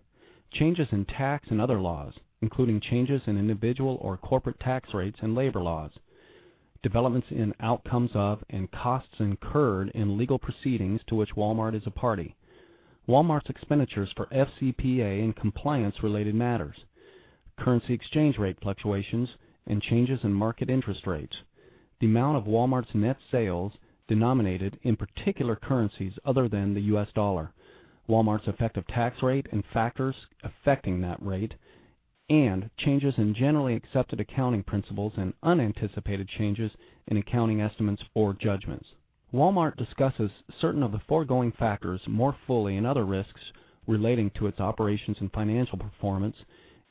S1: changes in tax and other laws, including changes in individual or corporate tax rates and labor laws, developments in outcomes of and costs incurred in legal proceedings to which Walmart is a party, Walmart's expenditures for FCPA and compliance-related matters, currency exchange rate fluctuations, and changes in market interest rates, the amount of Walmart's net sales denominated in particular currencies other than the U.S. dollar, Walmart's effective tax rate and factors affecting that rate, and changes in generally accepted accounting principles and unanticipated changes in accounting estimates or judgments. Walmart discusses certain of the foregoing factors more fully and other risks relating to its operations and financial performance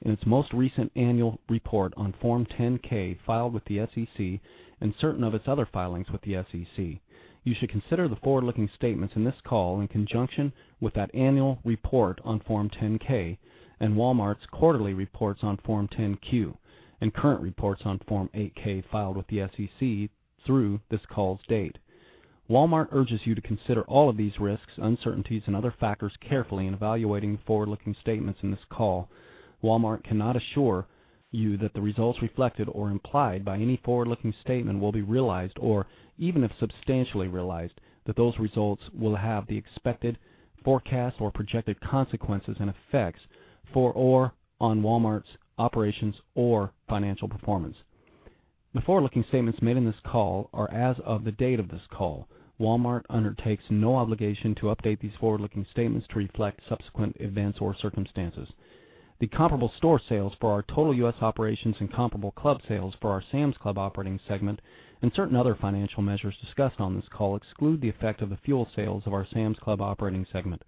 S1: in its most recent annual report on Form 10-K filed with the SEC and certain of its other filings with the SEC. You should consider the forward-looking statements in this call in conjunction with that annual report on Form 10-K and Walmart's quarterly reports on Form 10-Q and current reports on Form 8-K filed with the SEC through this call's date. Walmart urges you to consider all of these risks, uncertainties, and other factors carefully in evaluating forward-looking statements in this call. Walmart cannot assure you that the results reflected or implied by any forward-looking statement will be realized or, even if substantially realized, that those results will have the expected forecast or projected consequences and effects for or on Walmart's operations or financial performance. The forward-looking statements made in this call are as of the date of this call. Walmart undertakes no obligation to update these forward-looking statements to reflect subsequent events or circumstances. The comparable store sales for our total U.S. operations and comparable club sales for our Sam's Club operating segment and certain other financial measures discussed on this call exclude the effect of the fuel sales of our Sam's Club operating segment.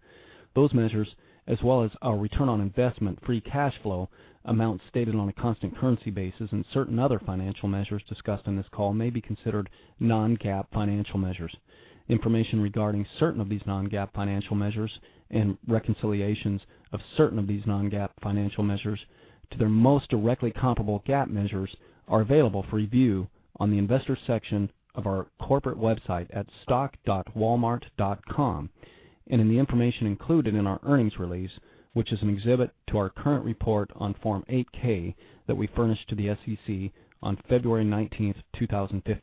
S1: Those measures, as well as our return on investment, free cash flow, amounts stated on a constant currency basis, and certain other financial measures discussed in this call may be considered non-GAAP financial measures. Information regarding certain of these non-GAAP financial measures and reconciliations of certain of these non-GAAP financial measures to their most directly comparable GAAP measures are available for review on the investor section of our corporate website at stock.walmart.com and in the information included in our earnings release, which is an exhibit to our current report on Form 8-K that we furnished to the SEC on February 19th, 2015.